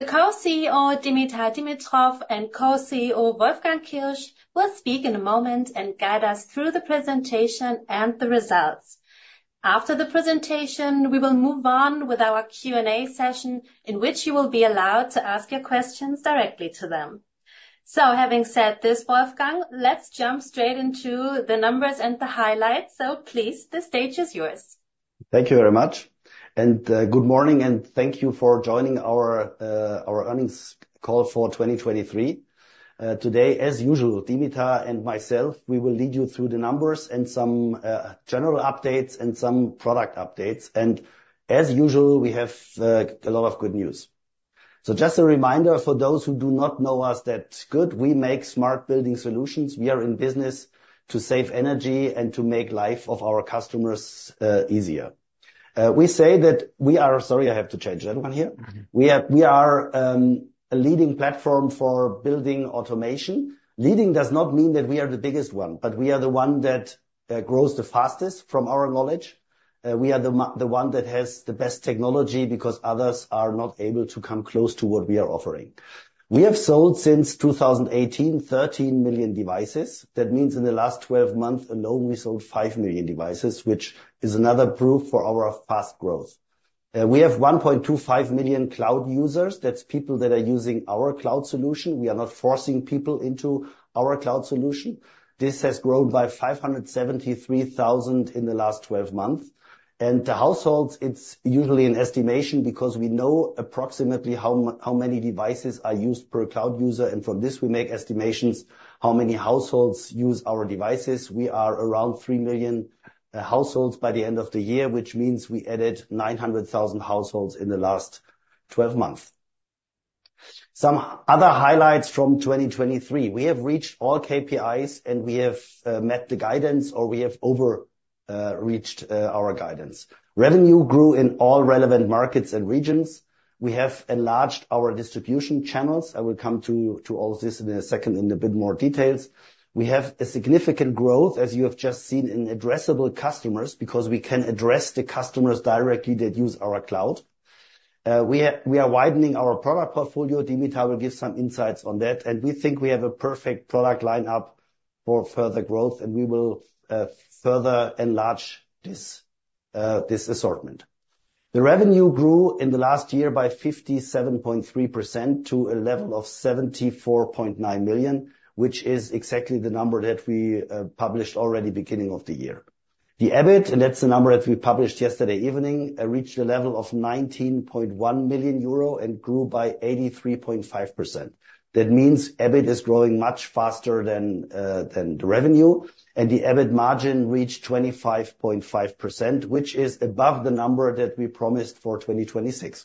The Co-CEO, Dimitar Dimitrov, and Co-CEO, Wolfgang Kirsch, will speak in a moment and guide us through the presentation and the results. After the presentation, we will move on with our Q&A session, in which you will be allowed to ask your questions directly to them. So having said this, Wolfgang, let's jump straight into the numbers and the highlights. So please, the stage is yours. Thank you very much, and good morning, and thank you for joining our Earnings Call for 2023. Today, as usual, Dimitar and myself will lead you through the numbers and some general updates and some product updates. As usual, we have a lot of good news. So just a reminder for those who do not know us, that's good. We make smart building solutions. We are in business to save energy and to make life of our customers easier. We say that we are... Sorry, I have to change that one here. We are a leading platform for building automation. Leading does not mean that we are the biggest one, but we are the one that grows the fastest from our knowledge. We are the one that has the best technology because others are not able to come close to what we are offering. We have sold since 2018, 13 million devices. That means in the last 12 months alone, we sold five million devices, which is another proof for our fast growth. We have one point two five million cloud users. That's people that are using our cloud solution. We are not forcing people into our cloud solution. This has grown by 573,000 in the last 12 months. The households, it's usually an estimation because we know approximately how many devices are used per cloud user, and from this we make estimations how many households use our devices. We are around three million households by the end of the year, which means we added 900,000 households in the last 12 months. Some other highlights from 2023. We have reached all KPIs, and we have met the guidance, or we have over reached our guidance. Revenue grew in all relevant markets and regions. We have enlarged our distribution channels. I will come to, to all this in a second, in a bit more details. We have a significant growth, as you have just seen, in addressable customers, because we can address the customers directly that use our cloud. We are, we are widening our product portfolio. Dimitar will give some insights on that, and we think we have a perfect product line-up for further growth, and we will further enlarge this, this assortment. The revenue grew in the last year by 57.3% to a level of 74.9 million, which is exactly the number that we published already beginning of the year. The EBIT, and that's the number that we published yesterday evening, reached a level of 19.1 million euro and grew by 83.5%. That means EBIT is growing much faster than the revenue, and the EBIT margin reached 25.5%, which is above the number that we promised for 2026.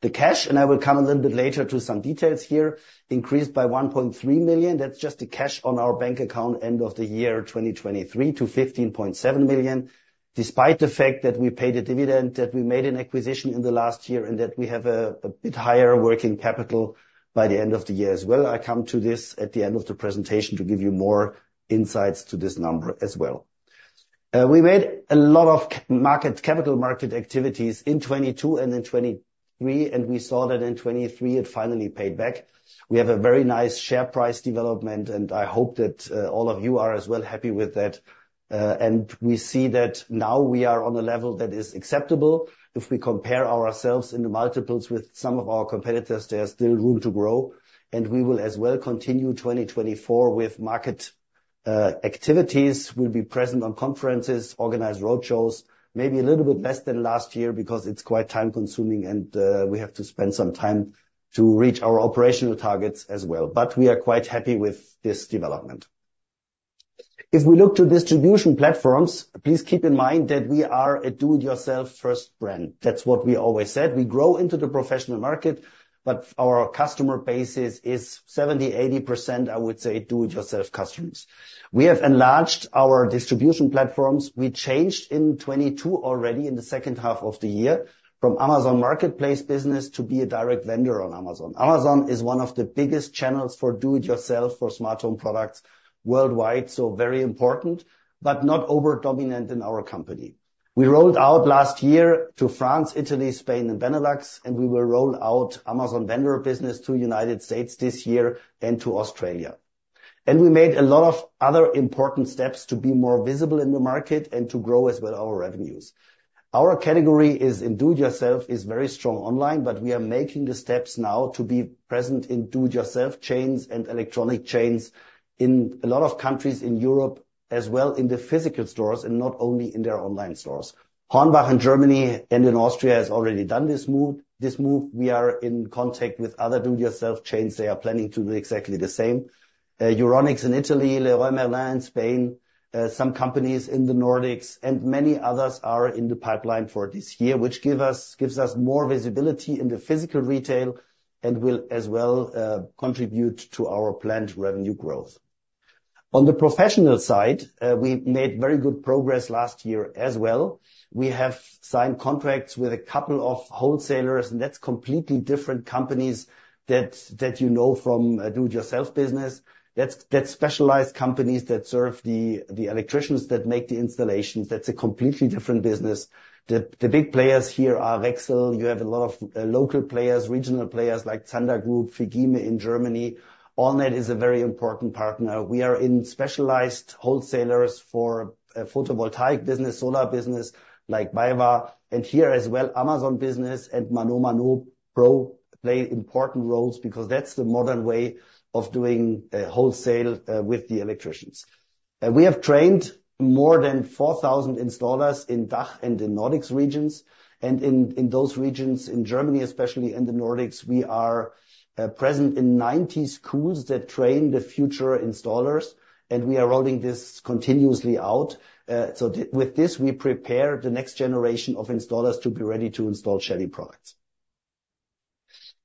The cash, and I will come a little bit later to some details here, increased by 1.3 million. That's just the cash on our bank account, end of the year, 2023, to 15.7 million. Despite the fact that we paid a dividend, that we made an acquisition in the last year, and that we have a bit higher working capital by the end of the year as well. I come to this at the end of the presentation to give you more insights to this number as well. We made a lot of capital market activities in 2022 and in 2023, and we saw that in 2023 it finally paid back. We have a very nice share price development, and I hope that all of you are as well happy with that. And we see that now we are on a level that is acceptable. If we compare ourselves in the multiples with some of our competitors, there's still room to grow, and we will as well continue 2024 with market activities. We'll be present on conferences, organize roadshows, maybe a little bit less than last year because it's quite time-consuming and we have to spend some time to reach our operational targets as well. But we are quite happy with this development. If we look to distribution platforms, please keep in mind that we are a do-it-yourself first brand. That's what we always said. We grow into the professional market, but our customer base is 70%-80%, I would say, do-it-yourself customers. We have enlarged our distribution platforms. We changed in 2022 already, in the second half of the year, from Amazon Marketplace business to be a direct vendor on Amazon. Amazon is one of the biggest channels for do it yourself, for smart home products worldwide, so very important, but not over-dominant in our company. We rolled out last year to France, Italy, Spain and Benelux, and we will roll out Amazon Vendor business to United States this year and to Australia. We made a lot of other important steps to be more visible in the market and to grow as well our revenues. Our category is, in do-it-yourself, is very strong online, but we are making the steps now to be present in do-it-yourself chains and electronic chains in a lot of countries in Europe, as well in the physical stores and not only in their online stores. Hornbach in Germany and in Austria has already done this move, this move. We are in contact with other do-it-yourself chains. They are planning to do exactly the same. Euronics in Italy, Leroy Merlin in Spain, some companies in the Nordics and many others are in the pipeline for this year, which gives us more visibility in the physical retail and will as well contribute to our planned revenue growth. On the professional side, we made very good progress last year as well. We have signed contracts with a couple of wholesalers, and that's completely different companies that, that you know from do-it-yourself business. That's, that's specialized companies that serve the electricians that make the installations. That's a completely different business. The big players here are Rexel. You have a lot of local players, regional players, like Zander Group, FEGIME in Germany. ALLNET is a very important partner. We are in specialized wholesalers for a photovoltaic business, solar business like BayWa, and here as well, Amazon Business and ManoManoPro play important roles because that's the modern way of doing wholesale with the electricians. We have trained more than 4,000 installers in DACH and the Nordics regions. And in those regions, in Germany especially in the Nordics, we are present in 90 schools that train the future installers, and we are rolling this continuously out. So with this, we prepare the next generation of installers to be ready to install Shelly products.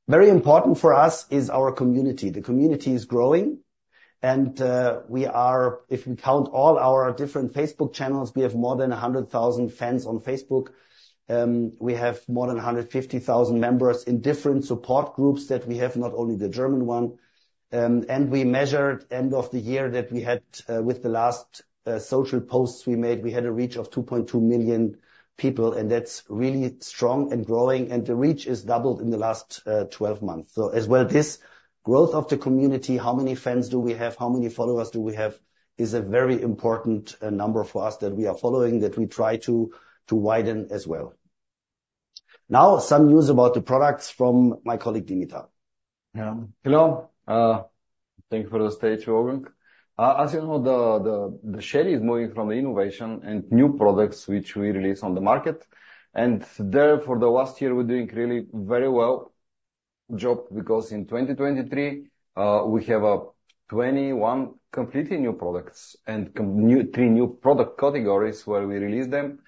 Very important for us is our community. The community is growing, and we are, if we count all our different Facebook channels, we have more than 100,000 fans on Facebook. We have more than 150,000 members in different support groups that we have, not only the German one. And we measured end of the year that we had, with the last social posts we made, we had a reach of two point two million people, and that's really strong and growing, and the reach is doubled in the last 12 months. So as well, this growth of the community, how many fans do we have? How many followers do we have? Is a very important number for us that we are following, that we try to widen as well. Now, some news about the products from my colleague, Dimitar. Hello, thank you for the stage, Wolfgang. As you know, the Shelly is moving from the innovation and new products which we release on the market, and therefore the last year, we're doing really very well job, because in 2023, we have 21 completely new products and three new product categories where we release them,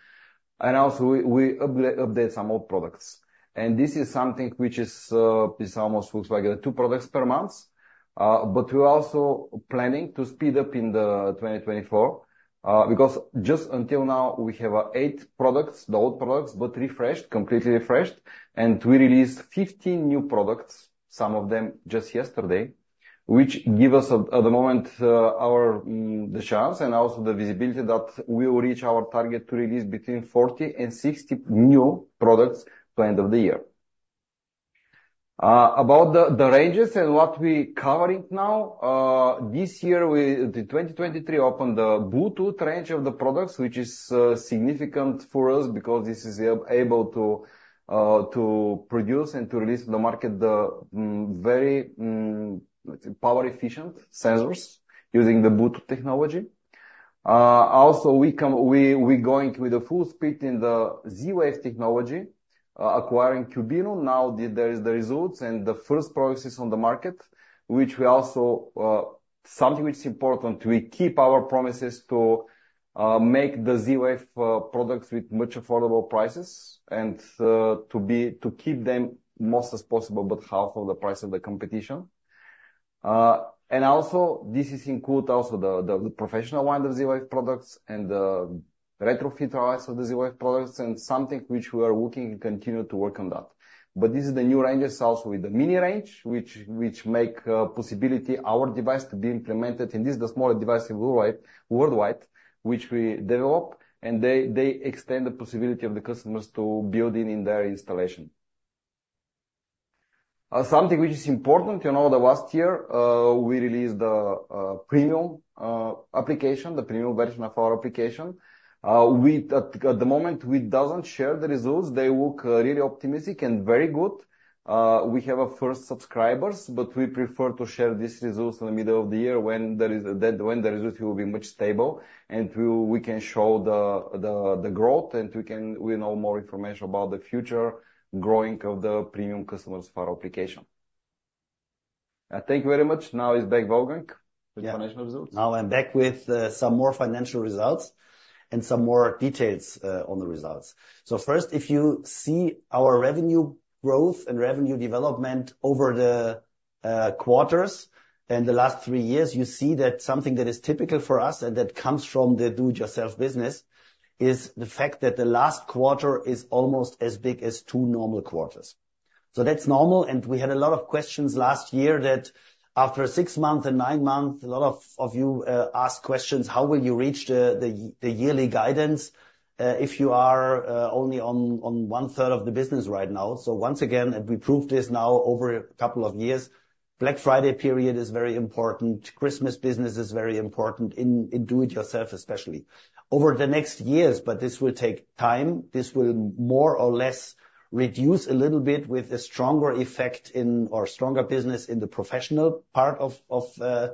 and also we update some old products. And this is something which is almost looks like two products per month. But we're also planning to speed up in 2024, because just until now, we have eight products, the old products, but refreshed, completely refreshed, and we release 15 new products, some of them just yesterday, which give us at the moment our the chance and also the visibility that we will reach our target to release between 40 and 60 new products by end of the year. About the ranges and what we covering now, this year, the 2023 opened the Bluetooth range of the products, which is significant for us because this is able to produce and to release to the market the very power-efficient sensors using the Bluetooth technology. Also, we come- we going with the full speed in the Z-Wave technology, acquiring Qubino. Now, there is the results and the first process on the market, which we also... Something which is important, we keep our promises to make the Z-Wave products with much affordable prices and to keep them most as possible, but half of the price of the competition. And also, this is include also the professional line of Z-Wave products and the retrofit lines of the Z-Wave products, and something which we are working to continue to work on that. But this is the new ranges also with the mini range, which make possibility our device to be implemented, and this is the smaller device in worldwide, which we develop, and they extend the possibility of the customers to build in their installation. Something which is important, you know, the last year, we released the premium application, the premium version of our application. We at the moment, we doesn't share the results. They look really optimistic and very good. We have a first subscribers, but we prefer to share this results in the middle of the year when the results will be much stable, and we can show the growth, and we know more information about the future growing of the premium customers for our application. Thank you very much. Now is back, Wolfgang, with financial results. Now I'm back with some more financial results and some more details on the results. So first, if you see our revenue growth and revenue development over the quarters in the last three years, you see that something that is typical for us and that comes from the do-it-yourself business, is the fact that the last quarter is almost as big as two normal quarters. So that's normal, and we had a lot of questions last year that after six months and nine months, a lot of you asked questions: How will you reach the yearly guidance, if you are only on one-third of the business right now? So once again, and we proved this now over a couple of years, Black Friday period is very important. Christmas business is very important in do-it-yourself, especially. Over the next years, but this will take time, this will more or less reduce a little bit with a stronger effect in or stronger business in the professional part of our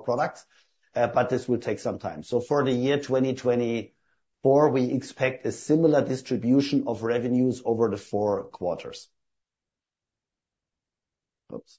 products, but this will take some time. So for the year 2024, we expect a similar distribution of revenues over the four quarters. Oops!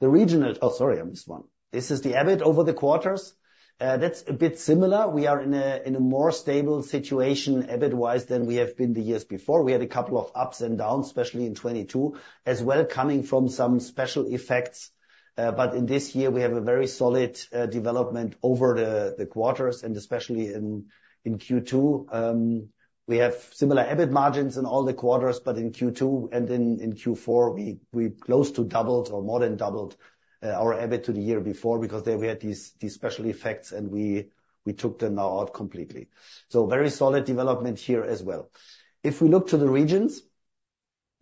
The regional— Oh, sorry, I missed one. This is the EBIT over the quarters. That's a bit similar. We are in a more stable situation, EBIT-wise, than we have been the years before. We had a couple of ups and downs, especially in 2022, as well, coming from some special effects. But in this year, we have a very solid development over the quarters, and especially in Q2. We have similar EBIT margins in all the quarters, but in Q2 and in Q4, we close to doubled or more than doubled our EBIT to the year before, because there we had these special effects, and we took them now out completely. So very solid development here as well. If we look to the regions,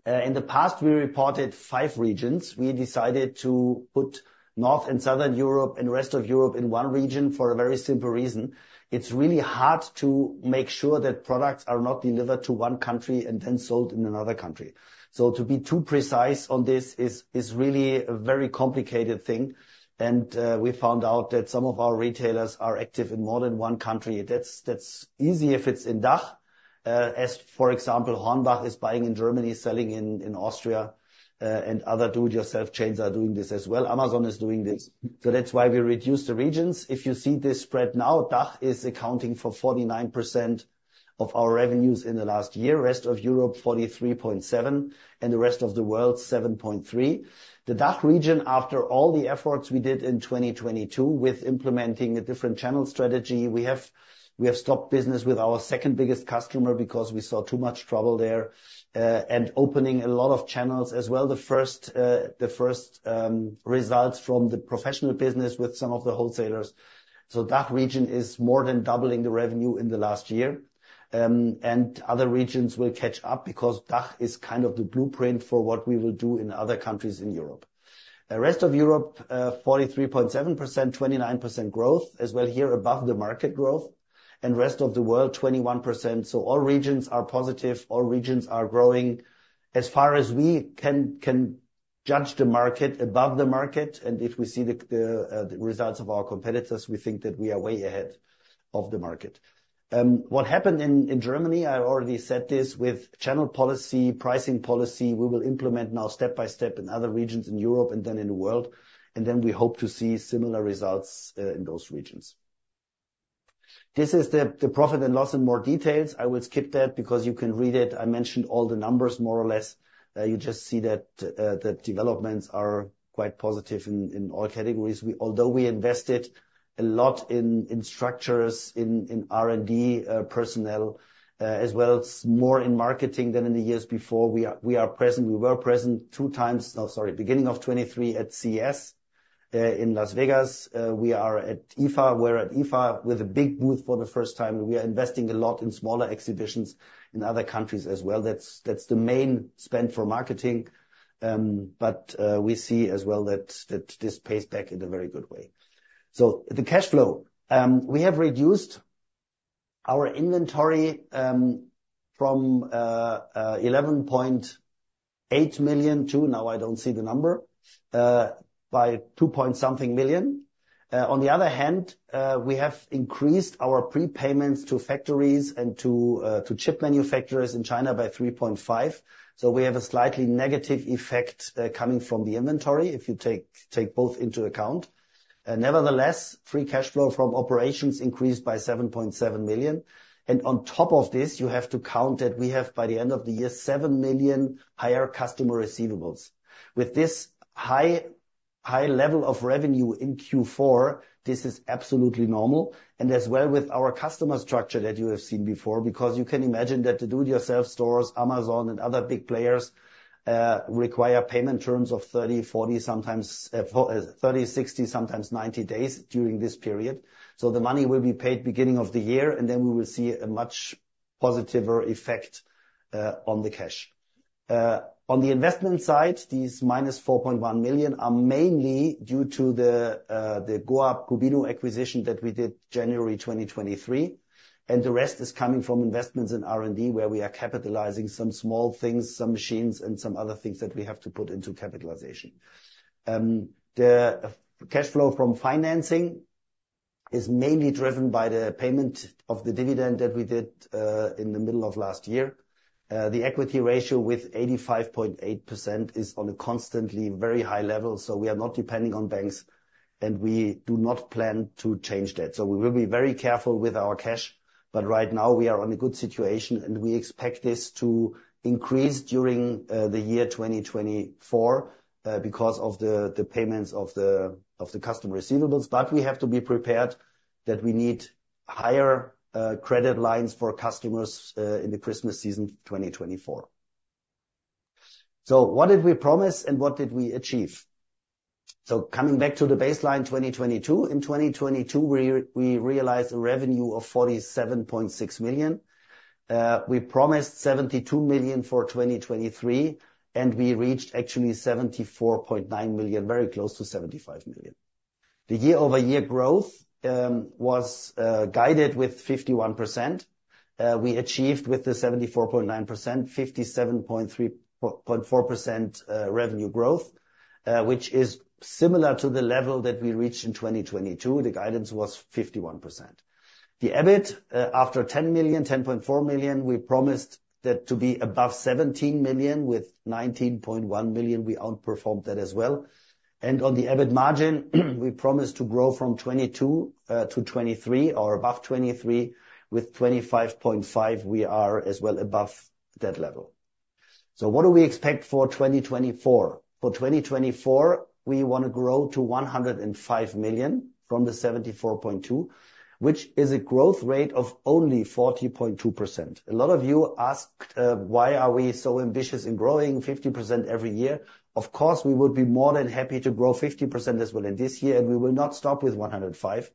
in the past, we reported five regions. We decided to put North and Southern Europe and rest of Europe in one region for a very simple reason. It's really hard to make sure that products are not delivered to one country and then sold in another country. So to be too precise on this is really a very complicated thing, and we found out that some of our retailers are active in more than one country. That's, that's easy if it's in DACH, as, for example, Hornbach is buying in Germany, selling in Austria, and other do-it-yourself chains are doing this as well. Amazon is doing this. So that's why we reduced the regions. If you see this spread now, DACH is accounting for 49% of our revenues in the last year, rest of Europe, 43.7%, and the rest of the world, 7.3%. The DACH region, after all the efforts we did in 2022 with implementing a different channel strategy, we have stopped business with our second biggest customer because we saw too much trouble there, and opening a lot of channels as well. The first results from the professional business with some of the wholesalers. So DACH region is more than doubling the revenue in the last year. And other regions will catch up because DACH is kind of the blueprint for what we will do in other countries in Europe. The rest of Europe, 43.7%, 29% growth, as well, here, above the market growth, and rest of the world, 21%. So all regions are positive, all regions are growing. As far as we can judge the market above the market, and if we see the results of our competitors, we think that we are way ahead of the market. What happened in Germany, I already said this, with channel policy, pricing policy, we will implement now step by step in other regions in Europe and then in the world, and then we hope to see similar results in those regions. This is the profit and loss in more details. I will skip that because you can read it. I mentioned all the numbers, more or less. You just see that the developments are quite positive in all categories. We, although we invested a lot in structures, in R&D, personnel, as well as more in marketing than in the years before, we are, we are present, we were present two times. Oh, sorry, beginning of 2023 at CES in Las Vegas. We are at IFA. We're at IFA with a big booth for the first time. We are investing a lot in smaller exhibitions in other countries as well. That's, that's the main spend for marketing. But we see as well that this pays back in a very good way. So the cash flow, we have reduced our inventory from 11.8 million to, now I don't see the number, by EUR 2.something million. On the other hand, we have increased our prepayments to factories and to chip manufacturers in China by 3.5. So we have a slightly negative effect coming from the inventory, if you take both into account. Nevertheless, free cash flow from operations increased by 7.7 million. And on top of this, you have to count that we have, by the end of the year, 7 million higher customer receivables. With this high, high level of revenue in Q4, this is absolutely normal, and as well with our customer structure that you have seen before, because you can imagine that the do-it-yourself stores, Amazon, and other big players require payment terms of 30, 40, sometimes 40, 30, 60, sometimes 90 days during this period. So the money will be paid beginning of the year, and then we will see a much more positive effect on the cash. On the investment side, these 4.1 million are mainly due to the GOAP Qubino acquisition that we did January 2023, and the rest is coming from investments in R&D, where we are capitalizing some small things, some machines, and some other things that we have to put into capitalization. The cash flow from financing is mainly driven by the payment of the dividend that we did in the middle of last year. The equity ratio, with 85.8%, is on a constantly very high level, so we are not depending on banks, and we do not plan to change that. So we will be very careful with our cash, but right now we are in a good situation, and we expect this to increase during the year 2024 because of the payments of the customer receivables. But we have to be prepared that we need higher credit lines for customers in the Christmas season 2024. So what did we promise, and what did we achieve? So coming back to the baseline, 2022. In 2022, we realized a revenue of 47.6 million. We promised 72 million for 2023, and we reached actually 74.9 million, very close to 75 million. The year-over-year growth was guided with 51%. We achieved with the 74.9 percent, 57.3, 57.4 percent revenue growth. Which is similar to the level that we reached in 2022, the guidance was 51%. The EBIT after 10 million, 10.4 million, we promised that to be above 17 million. With 19.1 million, we outperformed that as well. And on the EBIT margin, we promised to grow from 22%-23% or above 23%. With 25.5%, we are as well above that level. So what do we expect for 2024? For 2024, we wanna grow to 105 million from the 74.2 million, which is a growth rate of only 40.2%. A lot of you asked why are we so ambitious in growing 50% every year? Of course, we would be more than happy to grow 50% as well in this year, and we will not stop with 105,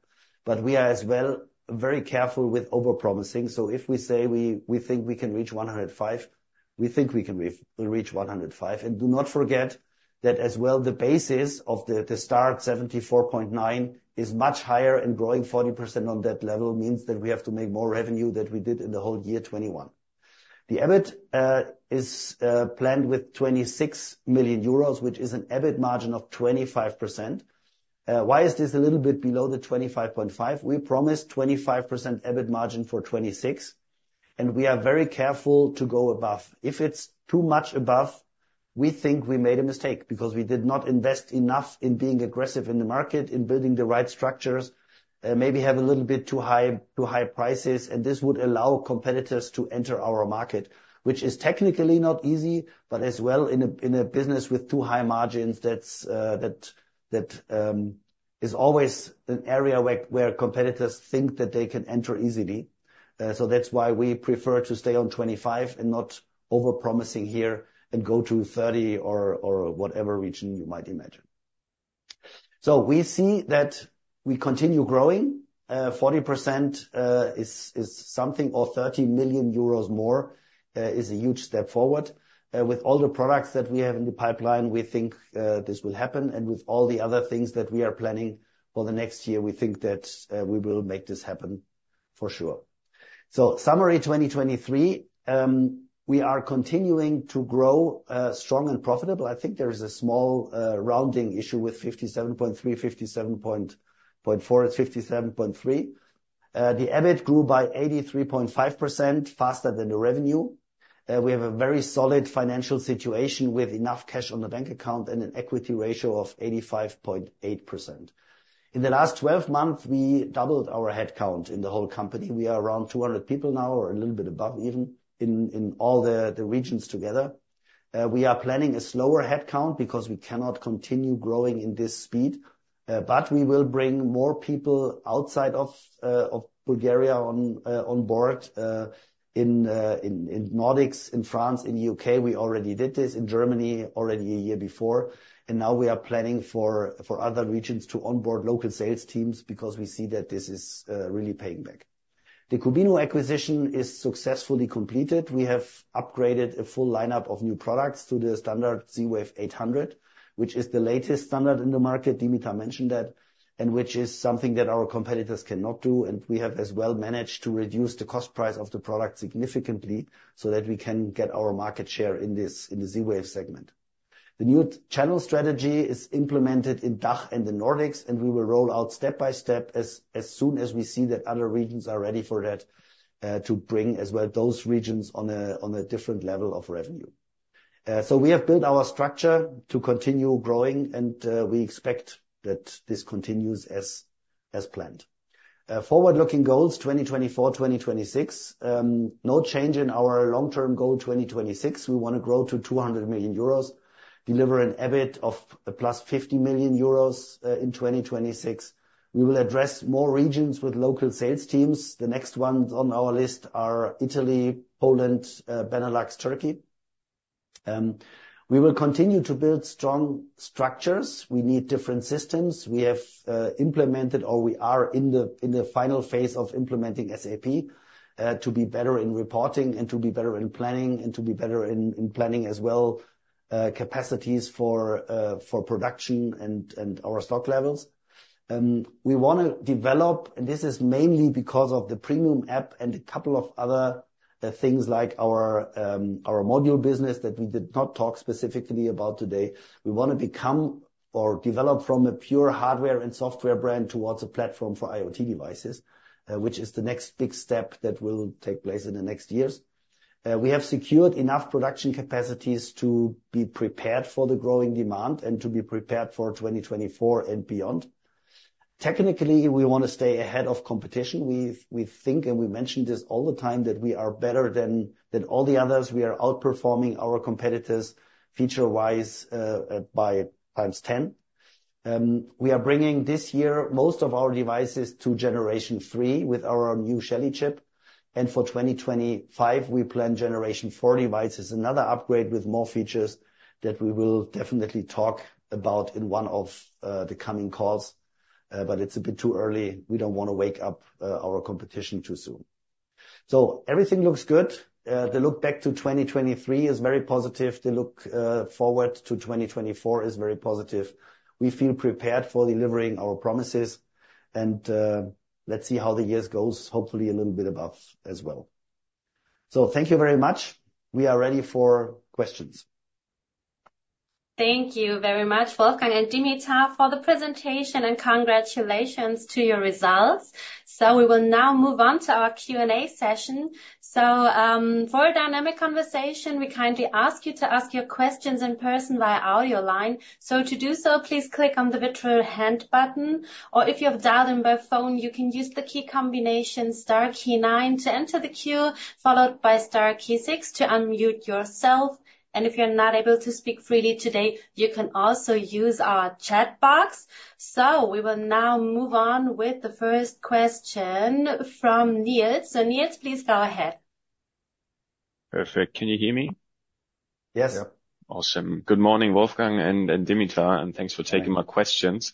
but we are as well very careful with over-promising. So if we say we think we can reach 105, we think we can reach 105. Do not forget that as well, the basis of the start, 74.9 million, is much higher, and growing 40% on that level means that we have to make more revenue than we did in the whole year 2021. The EBIT is planned with 26 million euros, which is an EBIT margin of 25%. Why is this a little bit below the 25.5%? We promised 25% EBIT margin for 2026, and we are very careful to go above. If it's too much above, we think we made a mistake, because we did not invest enough in being aggressive in the market, in building the right structures, maybe have a little bit too high, too high prices, and this would allow competitors to enter our market. Which is technically not easy, but as well in a business with too high margins, that's that is always an area where competitors think that they can enter easily. So that's why we prefer to stay on 25 and not over-promising here and go to 30 or whatever region you might imagine. So we see that we continue growing. 40% is something, or 30 million euros more is a huge step forward. With all the products that we have in the pipeline, we think this will happen, and with all the other things that we are planning for the next year, we think that we will make this happen for sure. So summary 2023, we are continuing to grow strong and profitable. I think there is a small rounding issue with 57.3, 57.4, 57.3. The EBIT grew by 83.5%, faster than the revenue. We have a very solid financial situation with enough cash on the bank account and an equity ratio of 85.8%. In the last 12 months, we doubled our headcount in the whole company. We are around 200 people now, or a little bit above even, in all the regions together. We are planning a slower headcount because we cannot continue growing in this speed, but we will bring more people outside of Bulgaria on board, in Nordics, in France, in UK. We already did this in Germany already a year before, and now we are planning for other regions to onboard local sales teams because we see that this is really paying back. The Qubino acquisition is successfully completed. We have upgraded a full lineup of new products to the standard Z-Wave 800, which is the latest standard in the market. Dimitar mentioned that, and which is something that our competitors cannot do. We have as well managed to reduce the cost price of the product significantly so that we can get our market share in this, in the Z-Wave segment. The new channel strategy is implemented in DACH and the Nordics, and we will roll out step by step as soon as we see that other regions are ready for that, to bring as well those regions on a different level of revenue. So we have built our structure to continue growing, and we expect that this continues as planned. Forward-looking goals, 2024, 2026. No change in our long-term goal, 2026. We wanna grow to 200 million euros, deliver an EBIT of +50 million euros in 2026. We will address more regions with local sales teams. The next ones on our list are Italy, Poland, Benelux, Turkey. We will continue to build strong structures. We need different systems. We have implemented, or we are in the final phase of implementing SAP, to be better in reporting and to be better in planning, and to be better in planning as well, capacities for production and our stock levels. We wanna develop, and this is mainly because of the Premium App and a couple of other things like our module business that we did not talk specifically about today. We wanna become or develop from a pure hardware and software brand towards a platform for IoT devices, which is the next big step that will take place in the next years. We have secured enough production capacities to be prepared for the growing demand and to be prepared for 2024 and beyond. Technically, we wanna stay ahead of competition. We think, and we mentioned this all the time, that we are better than all the others. We are outperforming our competitors feature-wise by 10 times. We are bringing this year most of our devices to Generation 3 with our new Shelly chip, and for 2025, we plan Generation 4 devices, another upgrade with more features that we will definitely talk about in one of the coming calls, but it's a bit too early. We don't wanna wake up our competition too soon. So everything looks good. The look back to 2023 is very positive. The look forward to 2024 is very positive. We feel prepared for delivering our promises, and let's see how the years goes, hopefully a little bit above as well.... So thank you very much. We are ready for questions. Thank you very much, Wolfgang and Dimitar, for the presentation, and congratulations to your results. We will now move on to our Q&A session. For a dynamic conversation, we kindly ask you to ask your questions in person via audio line. To do so, please click on the virtual hand button, or if you have dialed in by phone, you can use the key combination star key nine to enter the queue, followed by star key six to unmute yourself. If you're not able to speak freely today, you can also use our chat box. We will now move on with the first question from Nils. Nils, please go ahead. Perfect. Can you hear me? Yes. Yeah. Awesome. Good morning, Wolfgang and Dimitar, and thanks for taking my questions.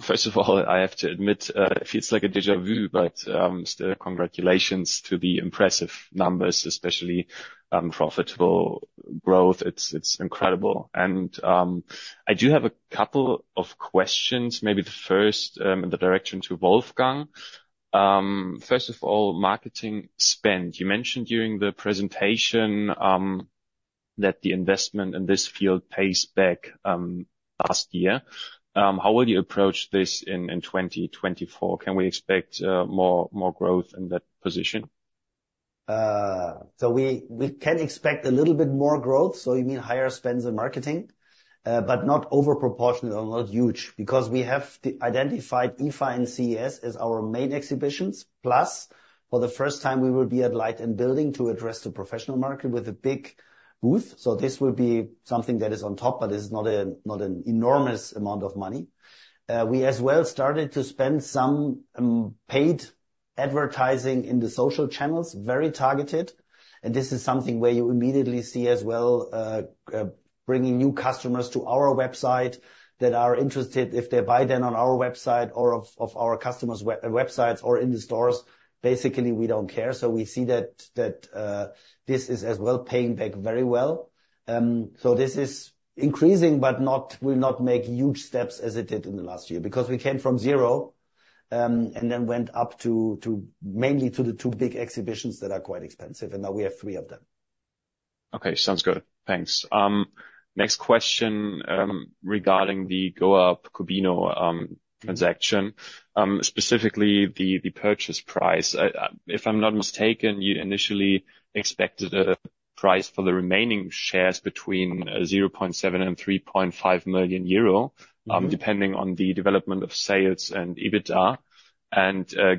First of all, I have to admit, it feels like a déjà vu, but still congratulations to the impressive numbers, especially profitable growth. It's, it's incredible. And I do have a couple of questions, maybe the first in the direction to Wolfgang. First of all, marketing spend. You mentioned during the presentation that the investment in this field pays back last year. How would you approach this in 2024? Can we expect more growth in that position? So we, we can expect a little bit more growth, so you mean higher spends in marketing, but not overproportionate or not huge, because we have the identified IFA and CES as our main exhibitions. Plus, for the first time, we will be at Light and Building to address the professional market with a big booth. So this will be something that is on top, but this is not an enormous amount of money. We as well started to spend some paid advertising in the social channels, very targeted, and this is something where you immediately see as well bringing new customers to our website that are interested if they buy then on our website or of our customers websites or in the stores. Basically, we don't care. So we see that this is as well paying back very well. So this is increasing, but not will not make huge steps as it did in the last year. Because we came from zero, and then went up to mainly to the two big exhibitions that are quite expensive, and now we have three of them. Okay, sounds good. Thanks. Next question, regarding the GOAP Qubino transaction, specifically the purchase price. If I'm not mistaken, you initially expected a price for the remaining shares between 0.7million and 3.5 million euro. Mm-hmm ... depending on the development of sales and EBITDA.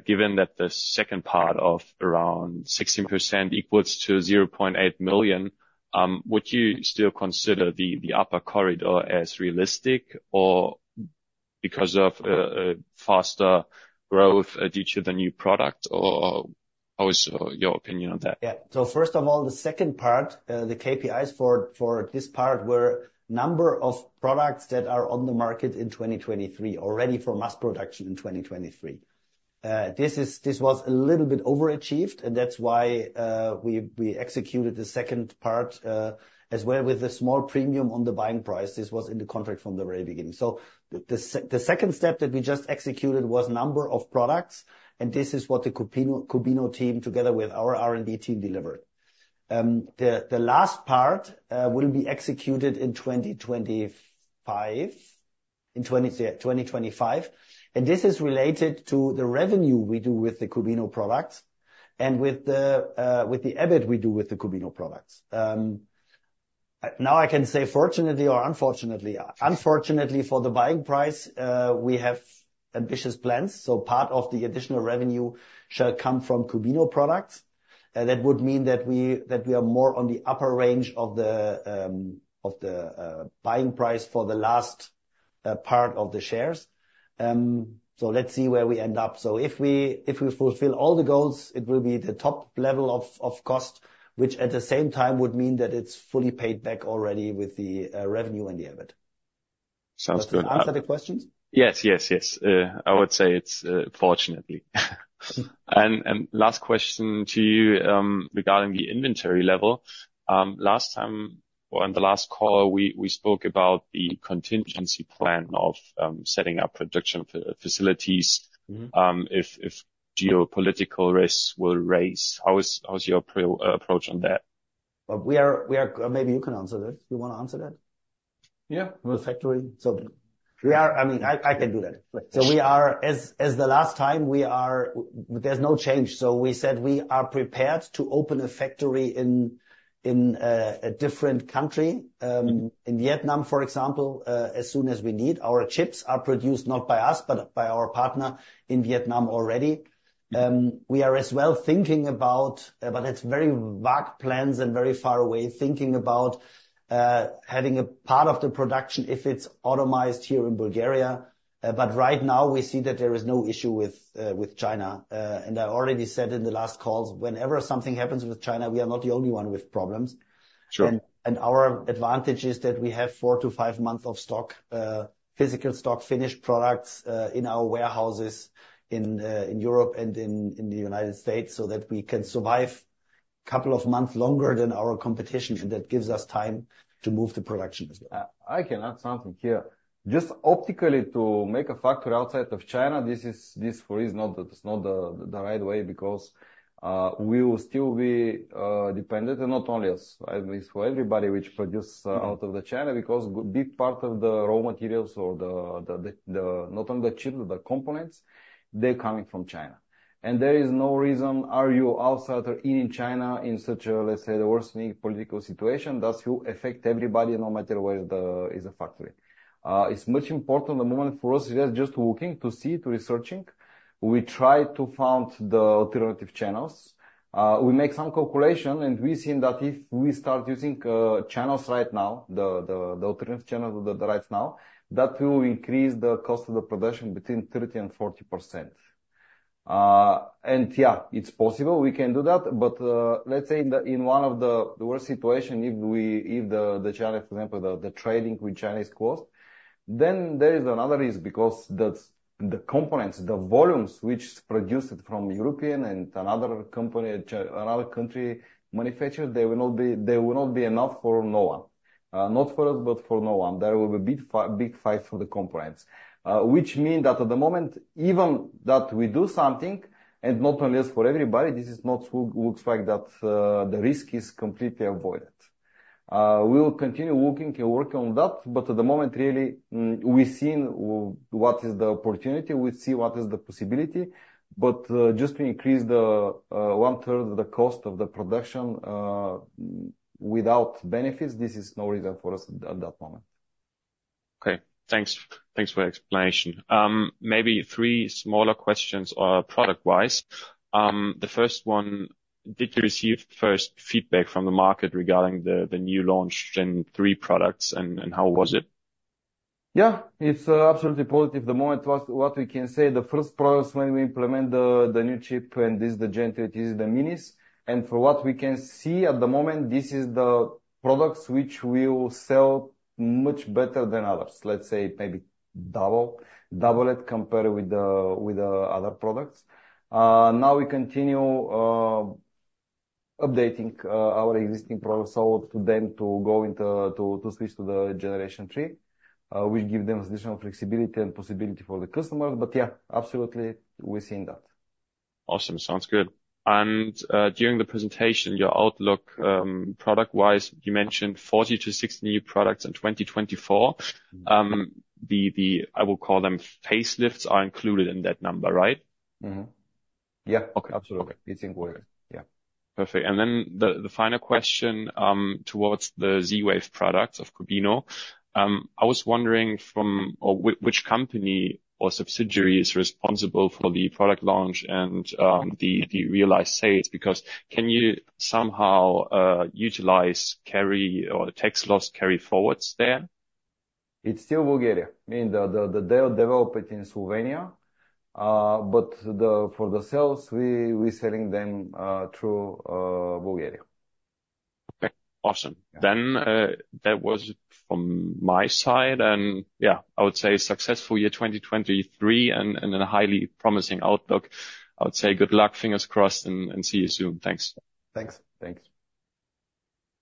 Given that the second part of around 16% equals 0.8 million, would you still consider the upper corridor as realistic, or because of a faster growth due to the new product, or how is your opinion on that? Yeah. So first of all, the second part, the KPIs for this part, were number of products that are on the market in 2023, or ready for mass production in 2023. This was a little bit overachieved, and that's why we executed the second part as well with a small premium on the buying price. This was in the contract from the very beginning. So the second step that we just executed was number of products, and this is what the Qubino, Qubino team, together with our R&D team, delivered. The last part will be executed in 2025, and this is related to the revenue we do with the Qubino products and with the EBIT we do with the Qubino products. Now I can say fortunately or unfortunately. Unfortunately, for the buying price, we have ambitious plans, so part of the additional revenue shall come from Qubino products. That would mean that we are more on the upper range of the buying price for the last part of the shares. So let's see where we end up. So if we fulfill all the goals, it will be the top level of cost, which at the same time would mean that it's fully paid back already with the revenue and the EBIT. Sounds good. Answer the questions? Yes, yes, yes. I would say it's fortunately. And last question to you, regarding the inventory level. Last time, or on the last call, we spoke about the contingency plan of setting up production facilities- Mm-hmm... if geopolitical risks will raise. How is your approach on that? We are... Maybe you can answer this. You want to answer that? Yeah. With factory. So we are, I mean, I can do that. Please. So we are, as the last time, there is no change. So we said we are prepared to open a factory in a different country, in Vietnam, for example, as soon as we need. Our chips are produced not by us, but by our partner in Vietnam already. We are as well thinking about, but it's very vague plans and very far away, thinking about having a part of the production, if it's automated here in Bulgaria. But right now, we see that there is no issue with China, and I already said in the last calls, whenever something happens with China, we are not the only one with problems. Sure. Our advantage is that we have 4-5 months of stock, physical stock, finished products, in our warehouses in Europe and in the United States, so that we can survive a couple of months longer than our competition, and that gives us time to move the production as well. I can add something here. Just optically, to make a factory outside of China, this is not the right way, because we will still be dependent, and not only us, at least for everybody which produce out of China. Because big part of the raw materials, not only the chip, the components, they're coming from China. And there is no reason to be outsider in China in such a, let's say, worsening political situation, that will affect everybody no matter where the factory is. It's much important at the moment for us, we are just looking to research. We try to find the alternative channels. We make some calculation, and we've seen that if we start using alternative channels right now, that will increase the cost of the production between 30%-40%. And yeah, it's possible we can do that, but let's say in one of the worst situation, if the China, for example, the trading with China is closed, then there is another risk. Because the components, the volumes which produced from European and another company, another country manufacturer, they will not be enough for no one. Not for us, but for no one. There will be big fight for the components. Which mean that at the moment, even that we do something, and not only us, for everybody, this is not looks like that, the risk is completely avoided. We will continue looking and working on that, but at the moment, really, we've seen what is the opportunity, we see what is the possibility. But, just to increase the, one third of the cost of the production, without benefits, this is no reason for us at that moment. Okay, thanks. Thanks for your explanation. Maybe three smaller questions, product-wise. The first one: Did you receive first feedback from the market regarding the new launch Gen 3 products, and how was it? Yeah, it's absolutely positive. The moment was what we can say, the first products when we implement the new chip, and this is the Gen 3, it is the minis. And from what we can see at the moment, this is the products which we will sell much better than others. Let's say, maybe double, double it compared with the other products. Now we continue updating our existing product sold to them to go into to switch to the Generation 3. We give them additional flexibility and possibility for the customers, but yeah, absolutely, we're seeing that. Awesome. Sounds good. And during the presentation, your outlook, product-wise, you mentioned 40-60 new products in 2024. The, I will call them facelifts, are included in that number, right? Mm-hmm. Yeah. Okay. Absolutely. Okay. It's included. Yeah. Perfect. And then the final question- Yeah... towards the Z-Wave products of Qubino. I was wondering which company or subsidiary is responsible for the product launch and the realized sales? Because can you somehow utilize carry or tax loss carry forwards there? It's still Bulgaria. I mean, they develop it in Slovenia, but for the sales, we're selling them through Bulgaria. Okay, awesome. Yeah. That was from my side. And yeah, I would say successful year 2023 and a highly promising outlook. I would say good luck, fingers crossed, and see you soon. Thanks. Thanks. Thanks.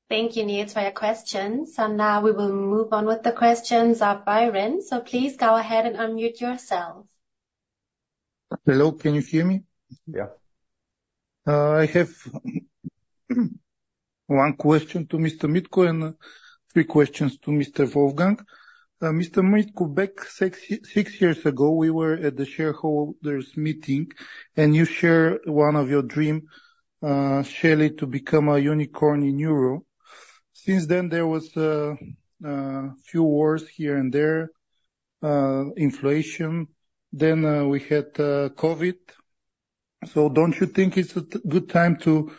Thank you, Nils, for your questions. Now we will move on with the questions of Byron. Please go ahead and unmute yourself. Hello, can you hear me? Yeah. I have one question to Mr. Dimitar and three questions to Mr. Wolfgang. Mr. Dimitar, back six-six years ago, we were at the shareholders meeting, and you share one of your dream, share it, to become a unicorn in euro. Since then, there was a few wars here and there, inflation, then, we had COVID. So don't you think it's a good time to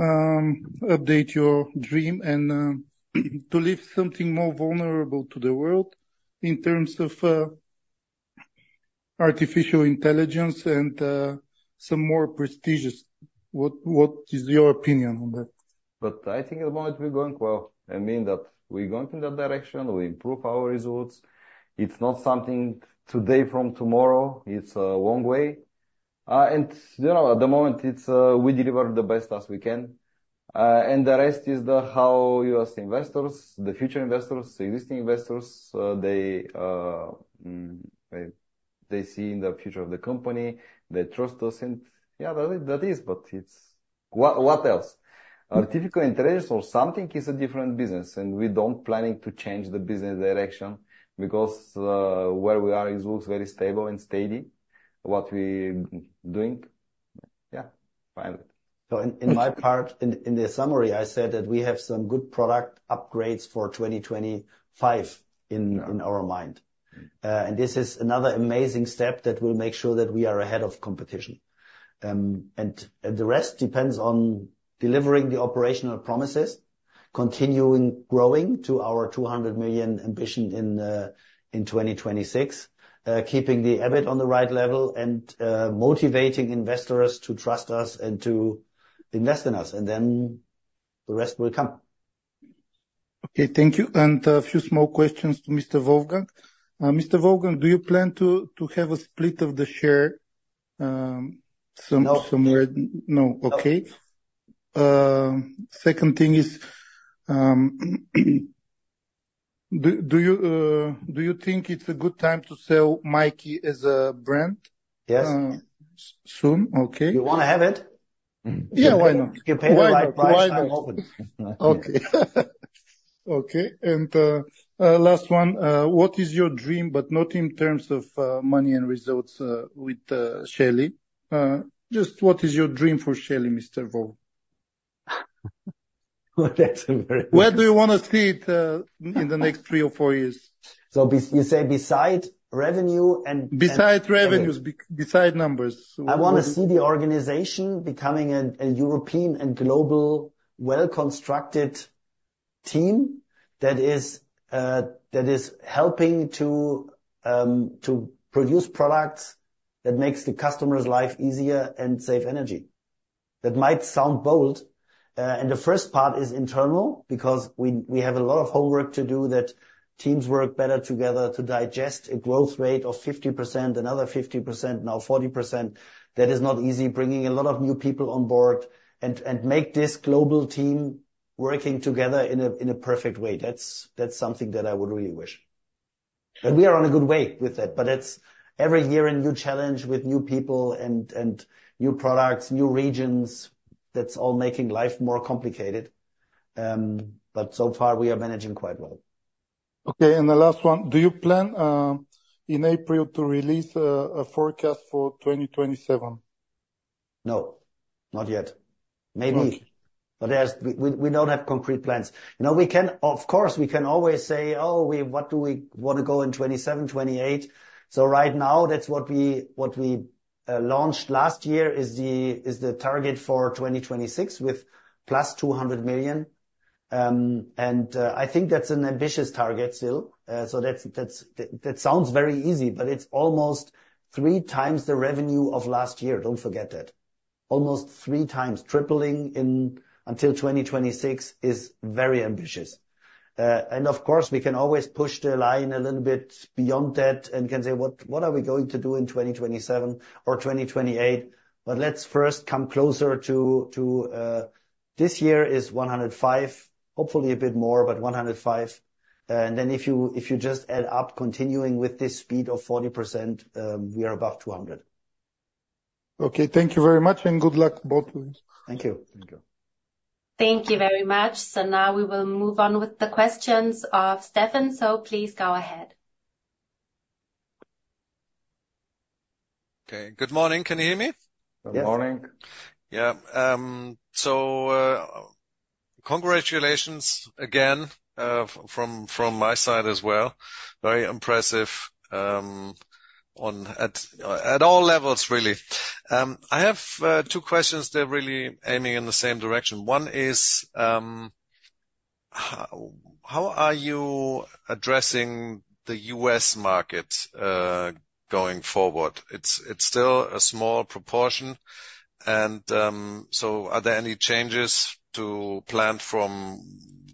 update your dream and to leave something more vulnerable to the world in terms of artificial intelligence and some more prestigious? What is your opinion on that? But I think at the moment we're going well. I mean that, we're going in that direction, we improve our results. It's not something today from tomorrow, it's a long way. You know, at the moment, we deliver the best as we can. And the rest is how you as investors, the future investors, existing investors, they see in the future of the company, they trust us, and yeah, that is, that is, but it's... What else? Artificial intelligence or something is a different business, and we don't planning to change the business direction because where we are, it looks very stable and steady, what we're doing. Yeah, fine. So in my part, in the summary, I said that we have some good product upgrades for 2025- Yeah... in, in our mind. And this is another amazing step that will make sure that we are ahead of competition. And the rest depends on delivering the operational promises, continuing growing to our 200 million ambition in 2026, keeping the EBIT on the right level, and motivating investors to trust us and to invest in us, and then the rest will come.... Okay, thank you. A few small questions to Mr. Wolfgang. Mr. Wolfgang, do you plan to have a split of the share, No. No. Okay. Second thing is, do you think it's a good time to sell MyKi as a brand? Yes. Soon. Okay. You wanna have it? Yeah, why not? You pay the right price, I'm open. Okay. Okay, and, last one, what is your dream, but not in terms of, money and results, with, Shelly? Just what is your dream for Shelly, Mr. Wolf? Well, that's a very- Where do you wanna see it in the next three or four years? So, besides revenue and- Besides revenues, besides numbers. I wanna see the organization becoming a European and global, well-constructed team that is helping to produce products that makes the customer's life easier and save energy. That might sound bold, and the first part is internal, because we have a lot of homework to do that teams work better together to digest a growth rate of 50%, another 50%, now 40%. That is not easy, bringing a lot of new people on board and make this global team working together in a perfect way. That's something that I would really wish. And we are on a good way with that, but it's every year a new challenge with new people and new products, new regions. That's all making life more complicated. But so far, we are managing quite well. Okay, and the last one: Do you plan in April to release a forecast for 2027? No, not yet. Maybe- Okay. But we don't have concrete plans. You know, of course, we can always say, "Oh, what do we wanna go in 2027, 2028?" So right now, that's what we launched last year is the target for 2026, with plus 200 million. I think that's an ambitious target still. So that sounds very easy, but it's almost three times the revenue of last year. Don't forget that. Almost three times. Tripling until 2026 is very ambitious. And of course, we can always push the line a little bit beyond that and can say, "What are we going to do in 2027 or 2028?" But let's first come closer to this year is 105 million. Hopefully a bit more, but 105. And then if you, if you just add up, continuing with this speed of 40%, we are above 200. Okay. Thank you very much, and good luck both of you. Thank you. Thank you. Thank you very much. Now we will move on with the questions of Stefan, so please go ahead. Okay. Good morning. Can you hear me? Good morning. Yes. Yeah. So, congratulations again, from my side as well. Very impressive, at all levels, really. I have two questions. They're really aiming in the same direction. One is, how are you addressing the US market, going forward? It's still a small proportion, and, so are there any changes to plan from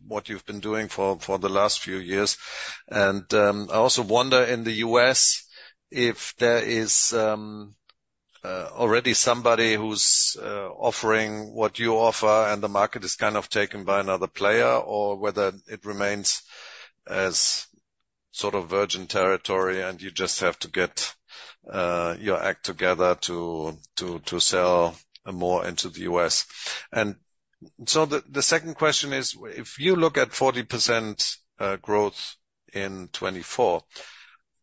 what you've been doing for the last few years? And, I also wonder, in the US, if there is already somebody who's offering what you offer and the market is kind of taken by another player, or whether it remains as sort of virgin territory and you just have to get your act together to sell more into the US. The second question is, if you look at 40% growth in 2024,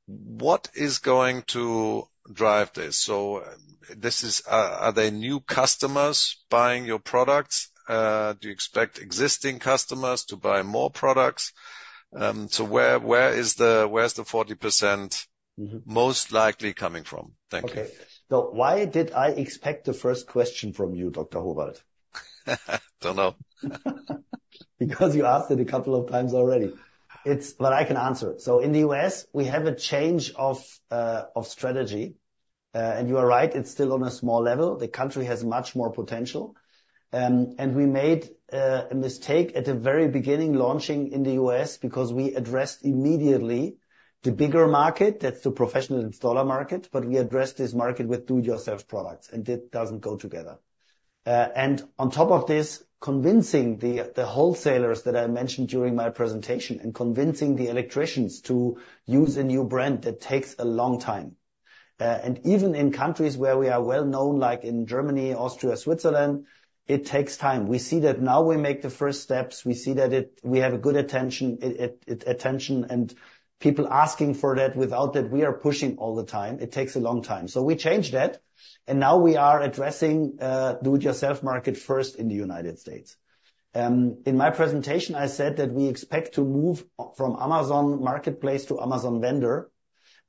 what is going to drive this? So this is... Are there new customers buying your products? Do you expect existing customers to buy more products? So where is the 40%- Mm-hmm Most likely coming from? Thank you. Okay. So why did I expect the first question from you, Dr. Howald? Don't know. Because you asked it a couple of times already. But I can answer it. So in the US, we have a change of strategy, and you are right, it's still on a small level. The country has much more potential. We made a mistake at the very beginning, launching in the US, because we addressed immediately the bigger market, that's the professional installer market, but we addressed this market with do-it-yourself products, and that doesn't go together. On top of this, convincing the wholesalers that I mentioned during my presentation, and convincing the electricians to use a new brand, that takes a long time. Even in countries where we are well-known, like in Germany, Austria, Switzerland, it takes time. We see that now we make the first steps. We see that we have a good attention and people asking for that. Without that, we are pushing all the time. It takes a long time. So we changed that, and now we are addressing do-it-yourself market first in the United States. In my presentation, I said that we expect to move from Amazon Marketplace to Amazon Vendor,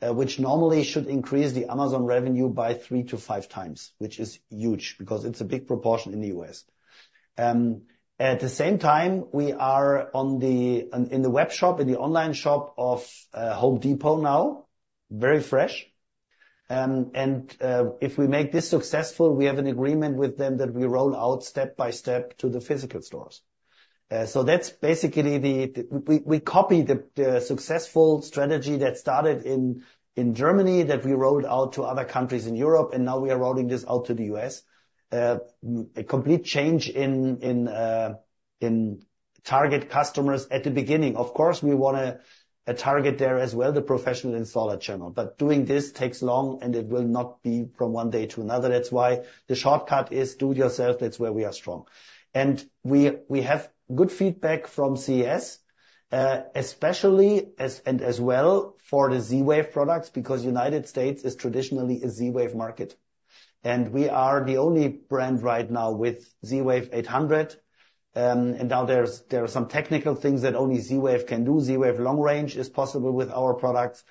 which normally should increase the Amazon revenue by 3-5 times, which is huge, because it's a big proportion in the U.S. At the same time, we are in the web shop, in the online shop of Home Depot now, very fresh. And if we make this successful, we have an agreement with them that we roll out step by step to the physical stores. So that's basically we copy the successful strategy that started in Germany, that we rolled out to other countries in Europe, and now we are rolling this out to the US A complete change in target customers at the beginning. Of course, we want a target there as well, the professional installer channel, but doing this takes long, and it will not be from one day to another. That's why the shortcut is do it yourself. That's where we are strong. And we have good feedback from CES, especially and as well for the Z-Wave products, because United States is traditionally a Z-Wave market. And we are the only brand right now with Z-Wave 800. And now there are some technical things that only Z-Wave can do. Z-Wave Long Range is possible with our products.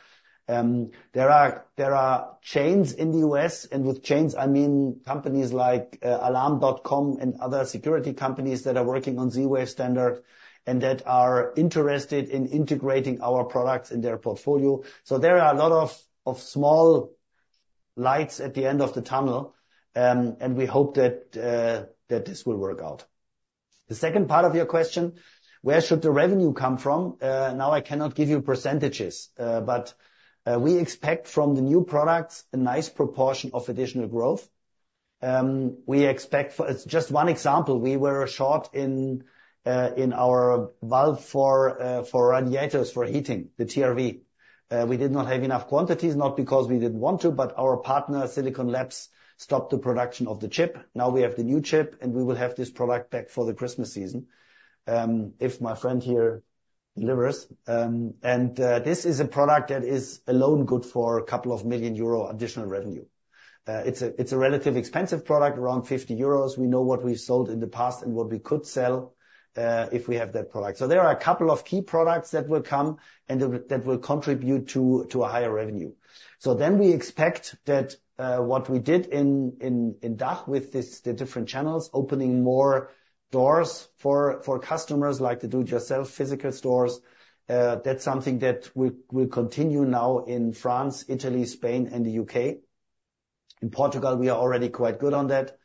There are, there are chains in the US, and with chains, I mean companies like, Alarm.com and other security companies that are working on Z-Wave standard and that are interested in integrating our products in their portfolio. So there are a lot of, of small lights at the end of the tunnel, and we hope that, that this will work out. The second part of your question: Where should the revenue come from? Now I cannot give you percentages, but, we expect from the new products a nice proportion of additional growth. We expect for... It's just one example, we were short in, in our valve for, for radiators, for heating, the TRV. We did not have enough quantities, not because we didn't want to, but our partner, Silicon Labs, stopped the production of the chip. Now we have the new chip, and we will have this product back for the Christmas season, if my friend here delivers. And, this is a product that is alone good for a couple of million Euro additional revenue. It's a relatively expensive product, around 50 euros. We know what we sold in the past and what we could sell, if we have that product. So there are a couple of key products that will come and that will contribute to a higher revenue. So then we expect that what we did in DACH with the different channels, opening more doors for customers like the do it yourself physical stores, that's something that will continue now in France, Italy, Spain, and the UK. In Portugal, we are already quite good on that.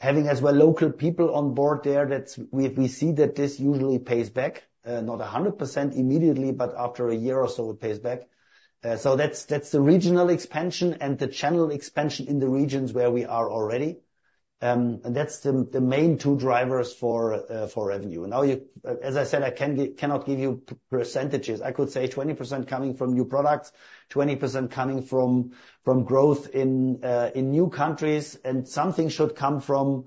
Having as well local people on board there, we see that this usually pays back not 100% immediately, but after a year or so it pays back. So that's the regional expansion and the channel expansion in the regions where we are already. And that's the main two drivers for revenue. Now, as I said, I cannot give you percentages. I could say 20% coming from new products, 20% coming from growth in new countries, and something should come from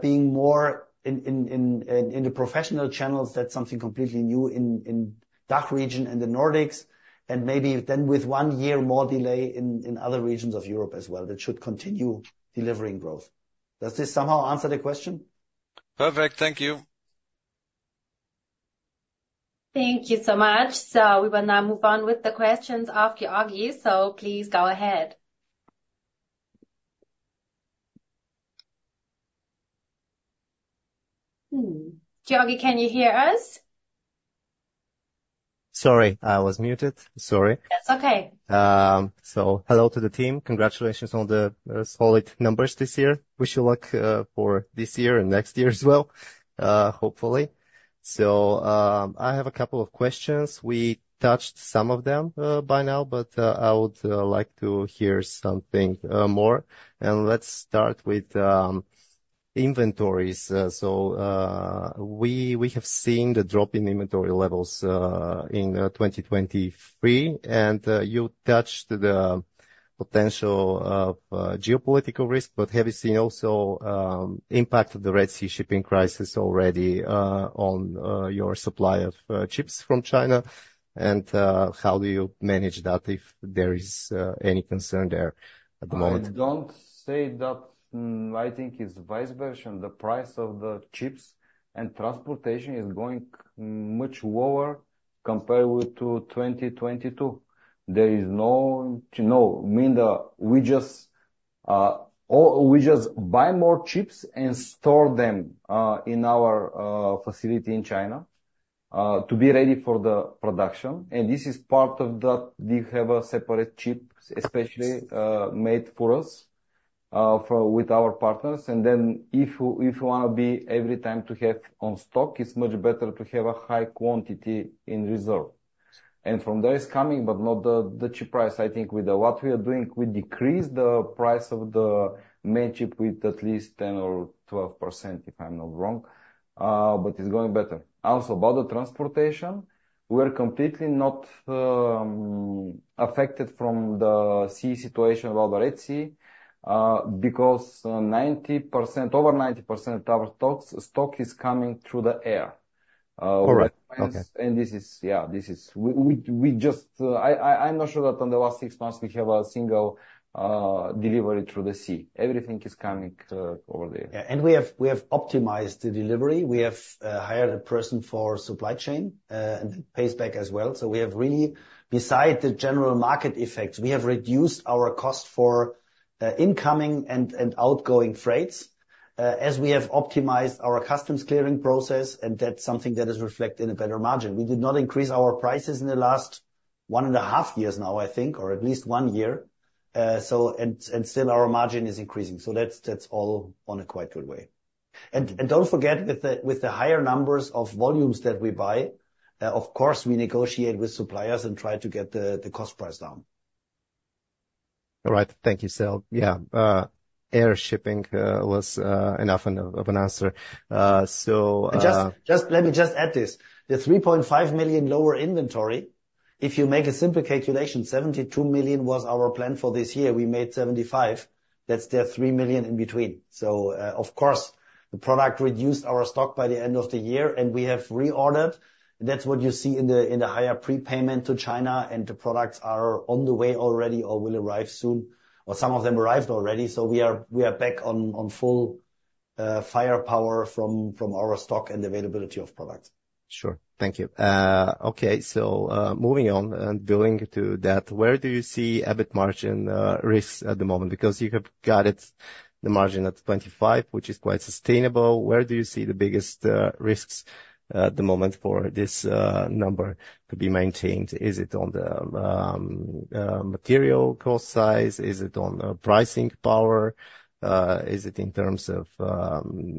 being more in the professional channels. That's something completely new in the DACH region and the Nordics, and maybe then with 1 year more delay in other regions of Europe as well, that should continue delivering growth. Does this somehow answer the question? Perfect. Thank you. Thank you so much. We will now move on with the questions of Georgi. Please go ahead. Georgi, can you hear us? Sorry, I was muted. Sorry. That's okay. So hello to the team. Congratulations on the solid numbers this year. Wish you luck for this year and next year as well, hopefully. So I have a couple of questions. We touched some of them by now, but I would like to hear something more. And let's start with inventories. So we have seen the drop in inventory levels in 2023, and you touched the potential of geopolitical risk, but have you seen also impact of the Red Sea shipping crisis already on your supply of chips from China? And how do you manage that if there is any concern there at the moment? I don't say that. I think it's vice versa. The price of the chips and transportation is going much lower compared with to 2022. There is no, no, I mean we just or we just buy more chips and store them in our facility in China to be ready for the production. And this is part of that we have a separate chip, especially made for us for with our partners. And then if you, if you want to be every time to have on stock, it's much better to have a high quantity in reserve. And from there it's coming, but not the cheap price. I think with what we are doing, we decrease the price of the main chip with at least 10% or 12%, if I'm not wrong, but it's going better. Also, about the transportation, we are completely not affected from the sea situation about the Red Sea, because 90%, over 90% of our stocks, stock is coming through the air. All right. Okay. Yeah, this is. We just, I'm not sure that in the last six months, we have a single delivery through the sea. Everything is coming over the air. Yeah, and we have, we have optimized the delivery. We have hired a person for supply chain, and it pays back as well. So we have really, besides the general market effects, we have reduced our cost for incoming and outgoing freights, as we have optimized our customs clearing process, and that's something that is reflected in a better margin. We did not increase our prices in the last one and a half years now, I think, or at least one year. So, and still our margin is increasing. So that's all on a quite good way. And don't forget, with the higher numbers of volumes that we buy, of course, we negotiate with suppliers and try to get the cost price down. All right. Thank you, Sir. Yeah, air shipping was enough of an answer. So, Just let me add this. The 3.5 million lower inventory, if you make a simple calculation, 72 million was our plan for this year. We made 75 million. That's the 3 million in between. So, of course, the product reduced our stock by the end of the year, and we have reordered. That's what you see in the higher prepayment to China, and the products are on the way already or will arrive soon, or some of them arrived already, so we are back on full firepower from our stock and availability of products. Sure. Thank you. Okay, so, moving on and going to that, where do you see EBIT margin risks at the moment? Because you have guided the margin at 25%, which is quite sustainable. Where do you see the biggest risks at the moment for this number to be maintained? Is it on the material cost side? Is it on pricing power? Is it in terms of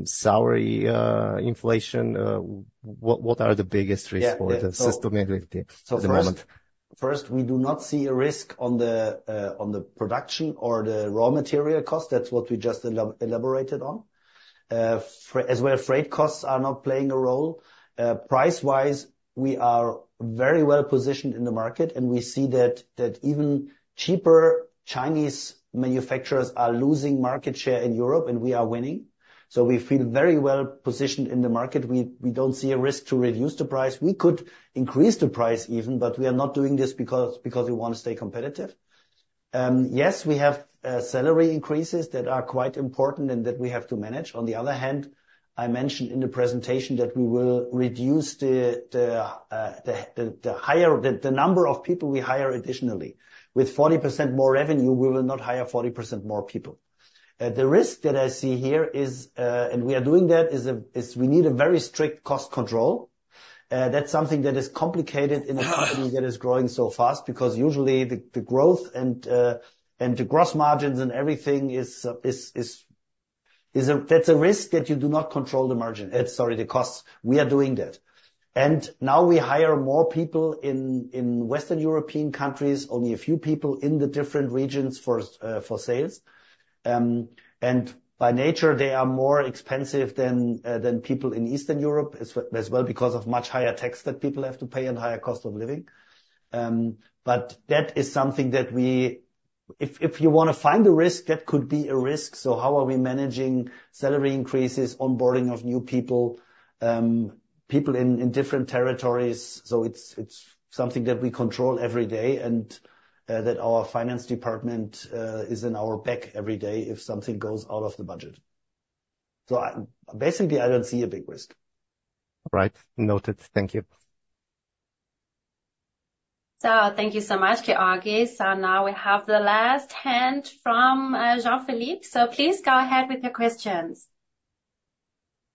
salary inflation? What are the biggest risks- Yeah, yeah for the system at the moment? So first, we do not see a risk on the production or the raw material cost. That's what we just elaborated on. As well, freight costs are not playing a role. Price-wise, we are very well positioned in the market, and we see that even cheaper Chinese manufacturers are losing market share in Europe, and we are winning. So we feel very well positioned in the market. We don't see a risk to reduce the price. We could increase the price even, but we are not doing this because we want to stay competitive. Yes, we have salary increases that are quite important and that we have to manage. On the other hand, I mentioned in the presentation that we will reduce the number of people we hire additionally. With 40% more revenue, we will not hire 40% more people. The risk that I see here is, and we are doing that, is we need a very strict cost control. That's something that is complicated in a company that is growing so fast, because usually the growth and the gross margins and everything is a risk that you do not control the margin. Sorry, the costs. We are doing that. And now we hire more people in Western European countries, only a few people in the different regions for sales. And by nature, they are more expensive than people in Eastern Europe, as well, because of much higher tax that people have to pay and higher cost of living. But that is something that we... If you want to find a risk, that could be a risk. So how are we managing salary increases, onboarding of new people, people in different territories? So it's something that we control every day and that our finance department is in our back every day if something goes out of the budget. So basically, I don't see a big risk. All right. Noted. Thank you. So thank you so much, Georgi. And now we have the last hand from, Jean-Philippe. So please go ahead with your questions.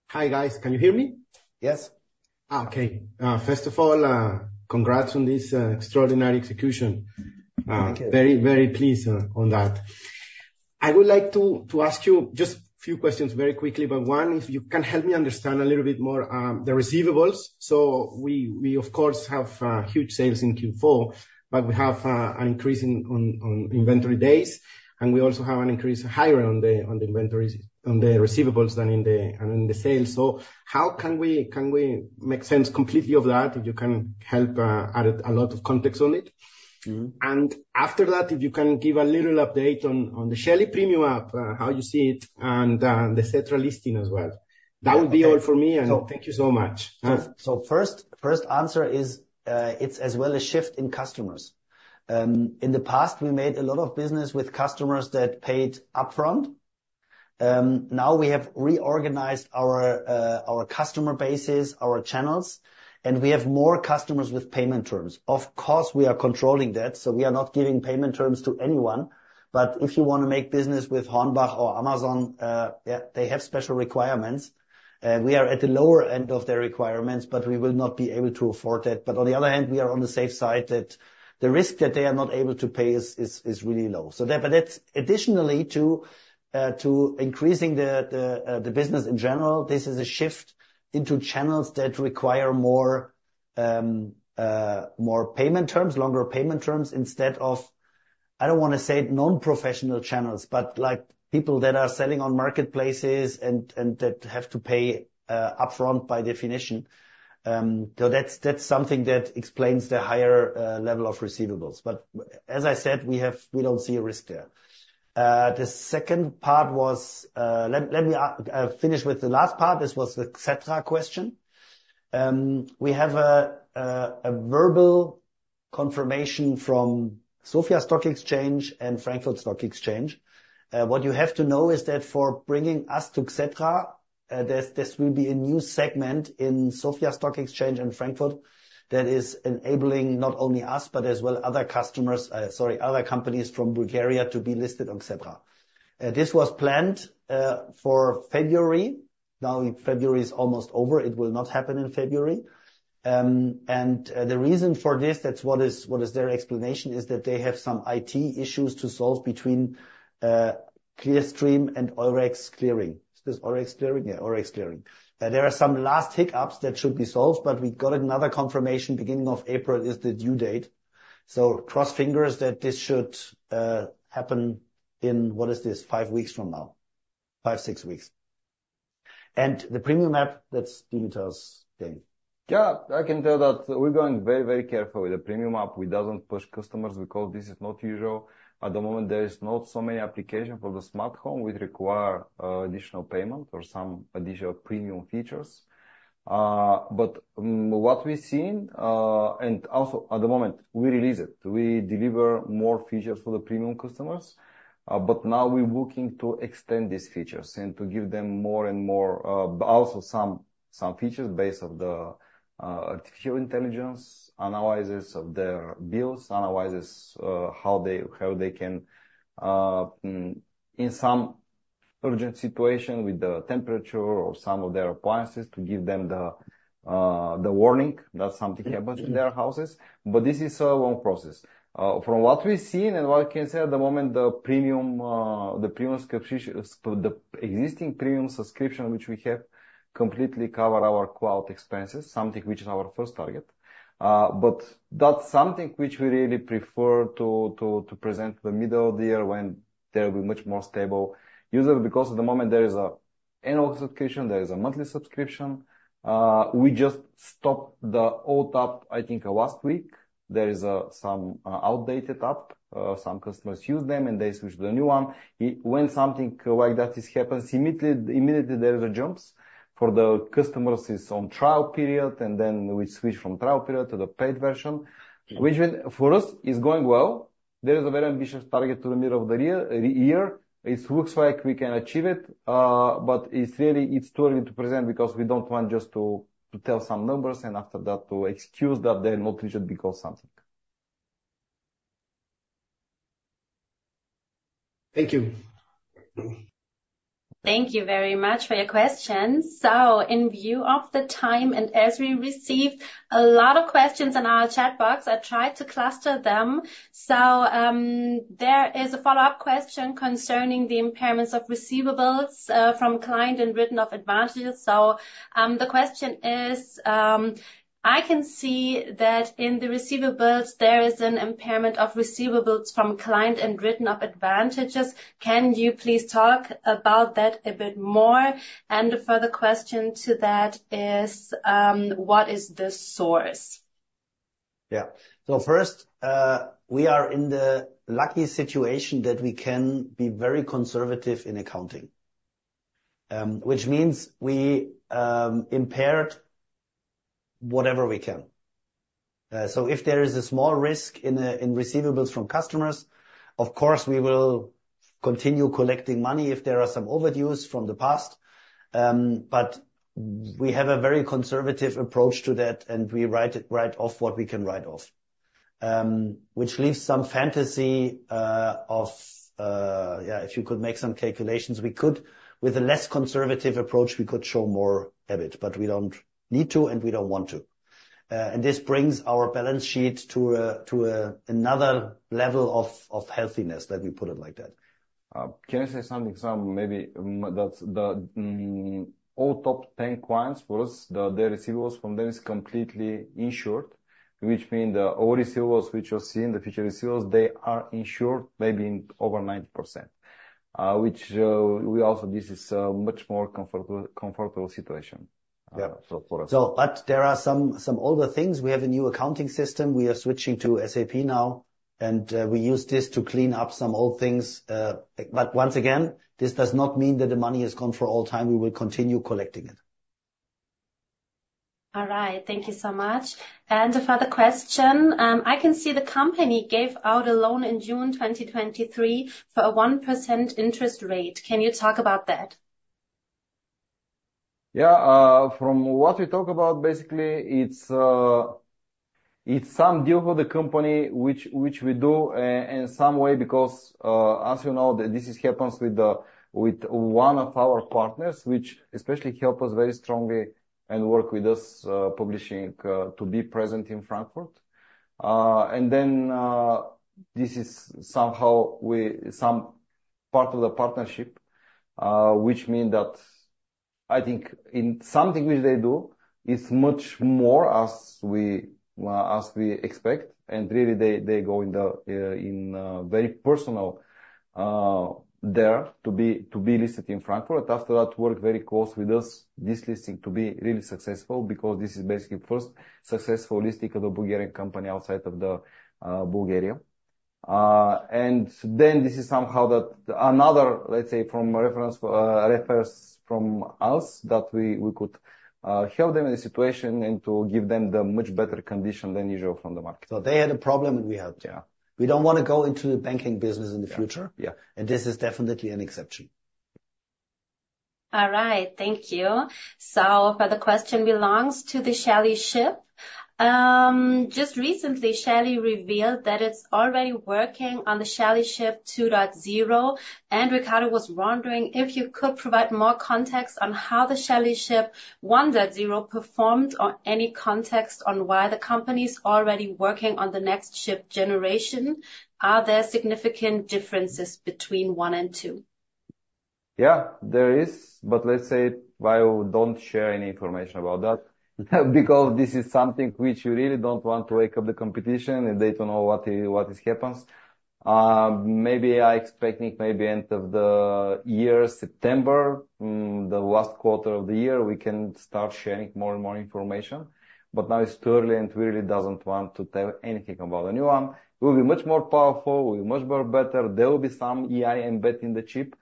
Hi, guys. Can you hear me? Yes. Ah, okay. First of all, congrats on this, extraordinary execution. Thank you. Very, very pleased on that. I would like to ask you just few questions very quickly, but one, if you can help me understand a little bit more, the receivables. So we, of course, have huge sales in Q4, but we have an increase in inventory days, and we also have an increase higher on the inventories, on the receivables than in the sales. So how can we make sense completely of that? If you can help add a lot of context on it. Mm-hmm. After that, if you can give a little update on the Shelly Premium App, how you see it, and the central listing as well. Yeah. That would be all for me, and thank you so much. So first answer is, it's as well a shift in customers. In the past, we made a lot of business with customers that paid upfront. Now we have reorganized our customer bases, our channels, and we have more customers with payment terms. Of course, we are controlling that, so we are not giving payment terms to anyone. But if you want to make business with Hornbach or Amazon, yeah, they have special requirements, and we are at the lower end of their requirements, but we will not be able to afford that. But on the other hand, we are on the safe side, that the risk that they are not able to pay is really low. So that, but that's additionally to increasing the business in general. This is a shift into channels that require more payment terms, longer payment terms, instead of, I don't want to say non-professional channels, but like people that are selling on marketplaces and that have to pay upfront by definition. So that's something that explains the higher level of receivables. But as I said, we have—we don't see a risk there. The second part was... Let me finish with the last part. This was the Xetra question. We have a verbal confirmation from Sofia Stock Exchange and Frankfurt Stock Exchange. What you have to know is that for bringing us to Xetra-... This will be a new segment in Sofia Stock Exchange in Frankfurt that is enabling not only us, but as well other customers, sorry, other companies from Bulgaria to be listed on Xetra. This was planned for February. Now, February is almost over, it will not happen in February. The reason for this, that's what is, what is their explanation, is that they have some IT issues to solve between Clearstream and Eurex Clearing. Is this Eurex Clearing? Yeah, Eurex Clearing. There are some last hiccups that should be solved, but we got another confirmation, beginning of April is the due date. So cross fingers that this should happen in, what is this? Five weeks from now. Five, six weeks. And the premium app, let's Dimitar tell. Yeah, I can tell that we're going very, very careful with the Premium App. We doesn't push customers because this is not usual. At the moment, there is not so many application for the smart home, which require, additional payment or some additional premium features. But, what we've seen, and also at the moment, we release it. We deliver more features for the premium customers, but now we're looking to extend these features and to give them more and more, but also some, some features based on the, artificial intelligence, analysis of their bills, analysis, how they, how they can, in some urgent situation with the temperature or some of their appliances, to give them the, the warning that something happened in their houses. But this is a long process. From what we've seen and what I can say at the moment, the premium, the existing premium subscription, which we have, completely cover our cloud expenses, something which is our first target. But that's something which we really prefer to present in the middle of the year when there will be much more stable user. Because at the moment, there is a annual subscription, there is a monthly subscription. We just stopped the old app, I think, last week. There is some outdated app. Some customers use them and they switch to the new one. When something like that happens, immediately there is a jumps for the customers is on trial period, and then we switch from trial period to the paid version, which mean for us, is going well. There is a very ambitious target to the middle of the year, year. It looks like we can achieve it, but it's really, it's too early to present because we don't want just to tell some numbers, and after that, to excuse that they're not reached because something. Thank you. Thank you very much for your questions. So in view of the time, and as we received a lot of questions in our chat box, I tried to cluster them. So, there is a follow-up question concerning the impairments of receivables from client and written-off advances. So, the question is: I can see that in the receivables, there is an impairment of receivables from client and written-off advances. Can you please talk about that a bit more? And a further question to that is, what is the source? Yeah. So first, we are in the lucky situation that we can be very conservative in accounting, which means we impaired whatever we can. So if there is a small risk in receivables from customers, of course, we will continue collecting money if there are some overdues from the past. But we have a very conservative approach to that, and we write off what we can write off. Which leaves some fantasy of if you could make some calculations, we could. With a less conservative approach, we could show more EBIT, but we don't need to, and we don't want to. And this brings our balance sheet to another level of healthiness, let me put it like that. Can I say something? Some maybe that the all top 10 clients for us, the receivables from them is completely insured, which mean the all receivables which you see in the future receivables, they are insured, maybe in over 90%. Which we also this is much more comfortable situation so for us. But there are some older things. We have a new accounting system. We are switching to SAP now, and we use this to clean up some old things. But once again, this does not mean that the money is gone for all time. We will continue collecting it. All right. Thank you so much. And a further question: I can see the company gave out a loan in June 2023 for a 1% interest rate. Can you talk about that? Yeah, from what we talk about, basically, it's some deal for the company which we do in some way, because, as you know, this happens with one of our partners, which especially help us very strongly and work with us, pushing to be present in Frankfurt. And then, this is somehow some part of the partnership, which mean that I think in something which they do, is much more as we expect, and really, they go in the very personal there to be listed in Frankfurt. After that, work very closely with us, this listing, to be really successful because this is basically first successful listing of a Bulgarian company outside of Bulgaria. And then this is somehow that another, let's say, from a reference from us, that we could help them in a situation and to give them the much better condition than usual from the market. They had a problem, and we helped. Yeah. We don't wanna go into the banking business in the future. Yeah, yeah. This is definitely an exception.... All right, thank you. So further question belongs to the Shelly chip. Just recently, Shelly revealed that it's already working on the Shelly chip 2.0, and Ricardo was wondering if you could provide more context on how the Shelly chip 1.0 performed, or any context on why the company's already working on the next chip generation. Are there significant differences between one and two? Yeah, there is, but let's say why we don't share any information about that, because this is something which you really don't want to wake up the competition, and they don't know what is happening. Maybe I expecting maybe end of the year, September, the last quarter of the year, we can start sharing more and more information. But now it's too early, and we really doesn't want to tell anything about the new one. Will be much more powerful, will be much more better. There will be some AI embed in the chip,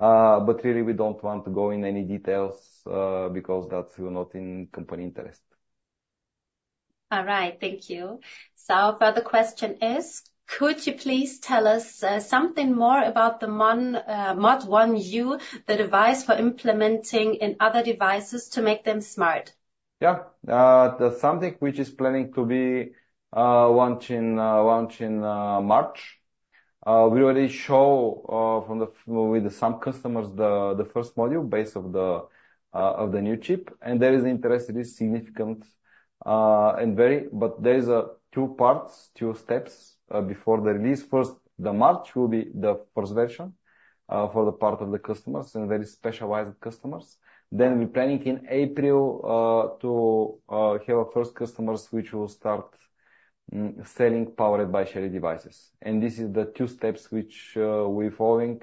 but really, we don't want to go in any details, because that's not in company interest. All right. Thank you. So further question is: could you please tell us something more about the module, the device for implementing in other devices to make them smart? Yeah. The something which is planning to be launch in March. We already show with some customers the first module base of the new chip, and there is interest. It is significant and very... But there is two parts, two steps before the release. First, the March will be the first version for the part of the customers and very specialized customers. Then we planning in April to have our first customers, which will start selling powered by Shelly devices. And this is the two steps which we're following.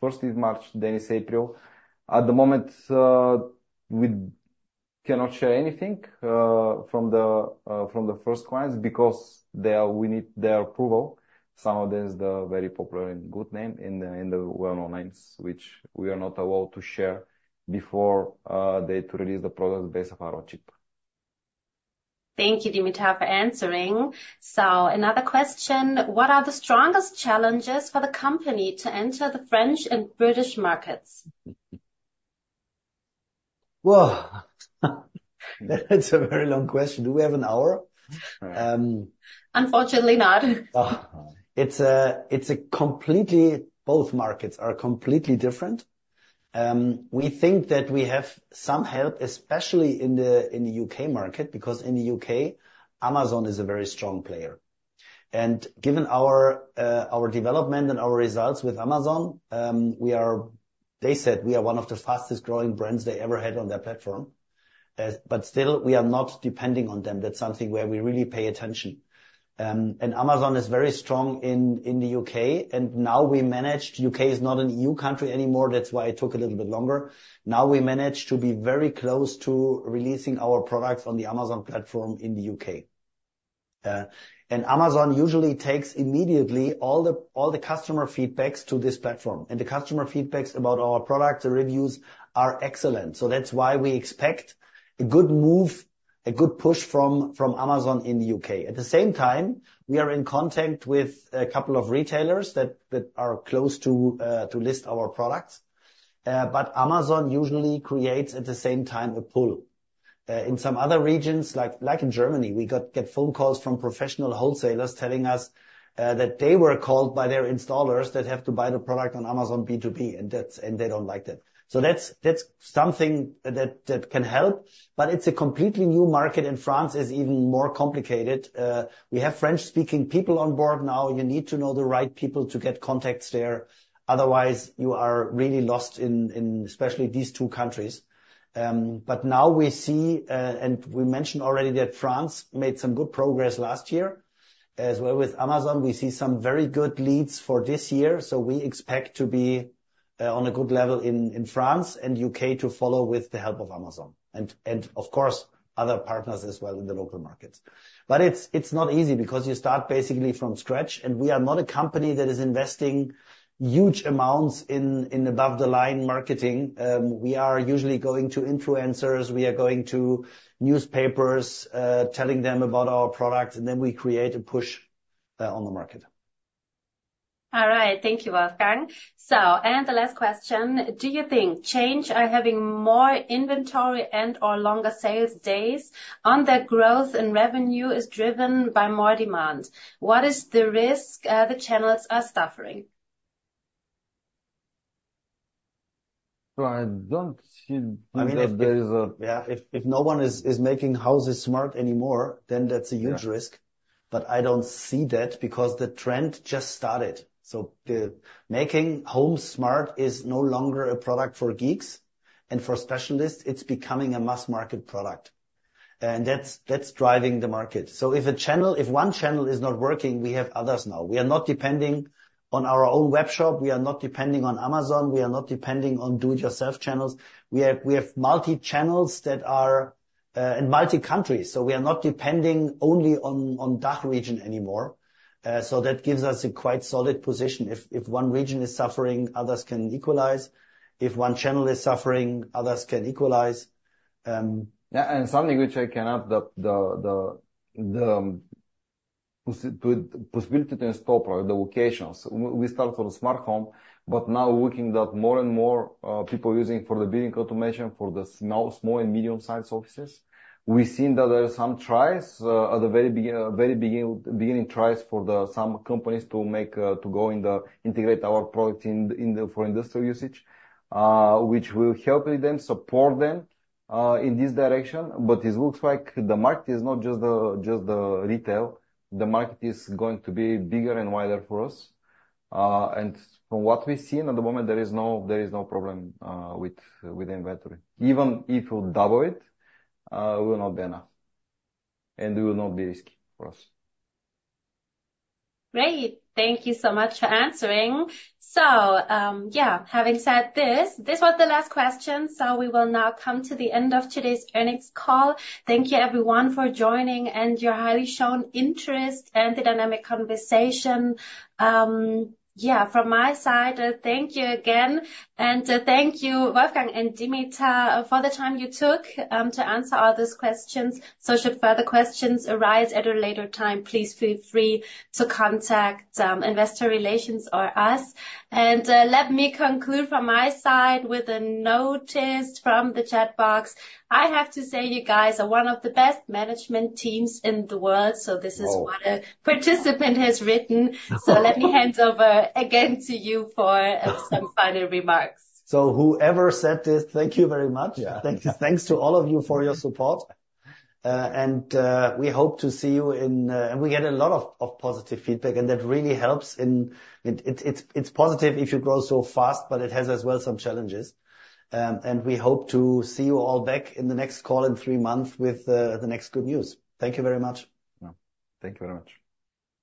First is March, then is April. At the moment, we cannot share anything from the first clients because they are. We need their approval. Some of them is the very popular and good name in the well-known names, which we are not allowed to share before they to release the product based off our chip. Thank you, Dimitar, for answering. So another question: What are the strongest challenges for the company to enter the French and British markets? Well, that's a very long question. Do we have an hour? Unfortunately not. Oh, it's completely. Both markets are completely different. We think that we have some help, especially in the UK market, because in the UK, Amazon is a very strong player. And given our development and our results with Amazon, we are... They said we are one of the fastest-growing brands they ever had on their platform. But still, we are not depending on them. That's something where we really pay attention. And Amazon is very strong in the UK, and now we managed... The UK is not an EU country anymore, that's why it took a little bit longer. Now we managed to be very close to releasing our products on the Amazon platform in the UK. And Amazon usually takes immediately all the customer feedbacks to this platform, and the customer feedbacks about our products and reviews are excellent. So that's why we expect a good move, a good push from Amazon in the UK. At the same time, we are in contact with a couple of retailers that are close to list our products. But Amazon usually creates, at the same time, a pull. In some other regions, like in Germany, we get phone calls from professional wholesalers telling us that they were called by their installers that have to buy the product on Amazon B2B, and that's, and they don't like that. So that's something that can help, but it's a completely new market, and France is even more complicated. We have French-speaking people on board now. You need to know the right people to get contacts there. Otherwise, you are really lost in especially these two countries. But now we see, and we mentioned already that France made some good progress last year. As well with Amazon, we see some very good leads for this year, so we expect to be on a good level in France and UK to follow with the help of Amazon and of course, other partners as well in the local markets. But it's not easy because you start basically from scratch, and we are not a company that is investing huge amounts in above-the-line marketing. We are usually going to influencers, we are going to newspapers, telling them about our product, and then we create a push on the market. All right. Thank you, Wolfgang. So, and the last question: Do you think changes are having more inventory and/or longer sales days on their growth and revenue is driven by more demand? What is the risk the channels are suffering? Well, I don't see that there is a- I mean, yeah, if no one is making houses smart anymore, then that's a huge risk. Yeah. But I don't see that because the trend just started. So the making home smart is no longer a product for geeks and for specialists. It's becoming a mass market product, and that's driving the market. So if one channel is not working, we have others now. We are not depending on our own webshop, we are not depending on Amazon, we are not depending on do-it-yourself channels. We have multi-channels that are in multi-countries, so we are not depending only on that region anymore. So that gives us a quite solid position. If one region is suffering, others can equalize. If one channel is suffering, others can equalize. Yeah, and something which I cannot the possibility to install the locations. We start from the smart home, but now working that more and more people using for the building automation, for the small and medium-sized offices. We've seen that there are some tries at the very beginning for some companies to integrate our product in the industrial usage, which will help with them, support them in this direction. But it looks like the market is not just the retail. The market is going to be bigger and wider for us. And from what we've seen, at the moment, there is no problem with inventory. Even if we double it, it will not be enough and it will not be risky for us. Great. Thank you so much for answering. So, having said this, this was the last question, so we will now come to the end of today's earnings call. Thank you everyone for joining and your highly shown interest and the dynamic conversation. From my side, thank you again, and thank you, Wolfgang and Dimitar, for the time you took to answer all these questions. So should further questions arise at a later time, please feel free to contact investor relations or us. And let me conclude from my side with a notice from the chat box. "I have to say, you guys are one of the best management teams in the world. Oh. This is what a participant has written. Let me hand over again to you for some final remarks. Whoever said this, thank you very much. Yeah. Thank you. Thanks to all of you for your support. And we hope to see you in... And we get a lot of positive feedback, and that really helps and it's positive if you grow so fast, but it has as well some challenges. And we hope to see you all back in the next call in three months with the next good news. Thank you very much. Yeah. Thank you very much.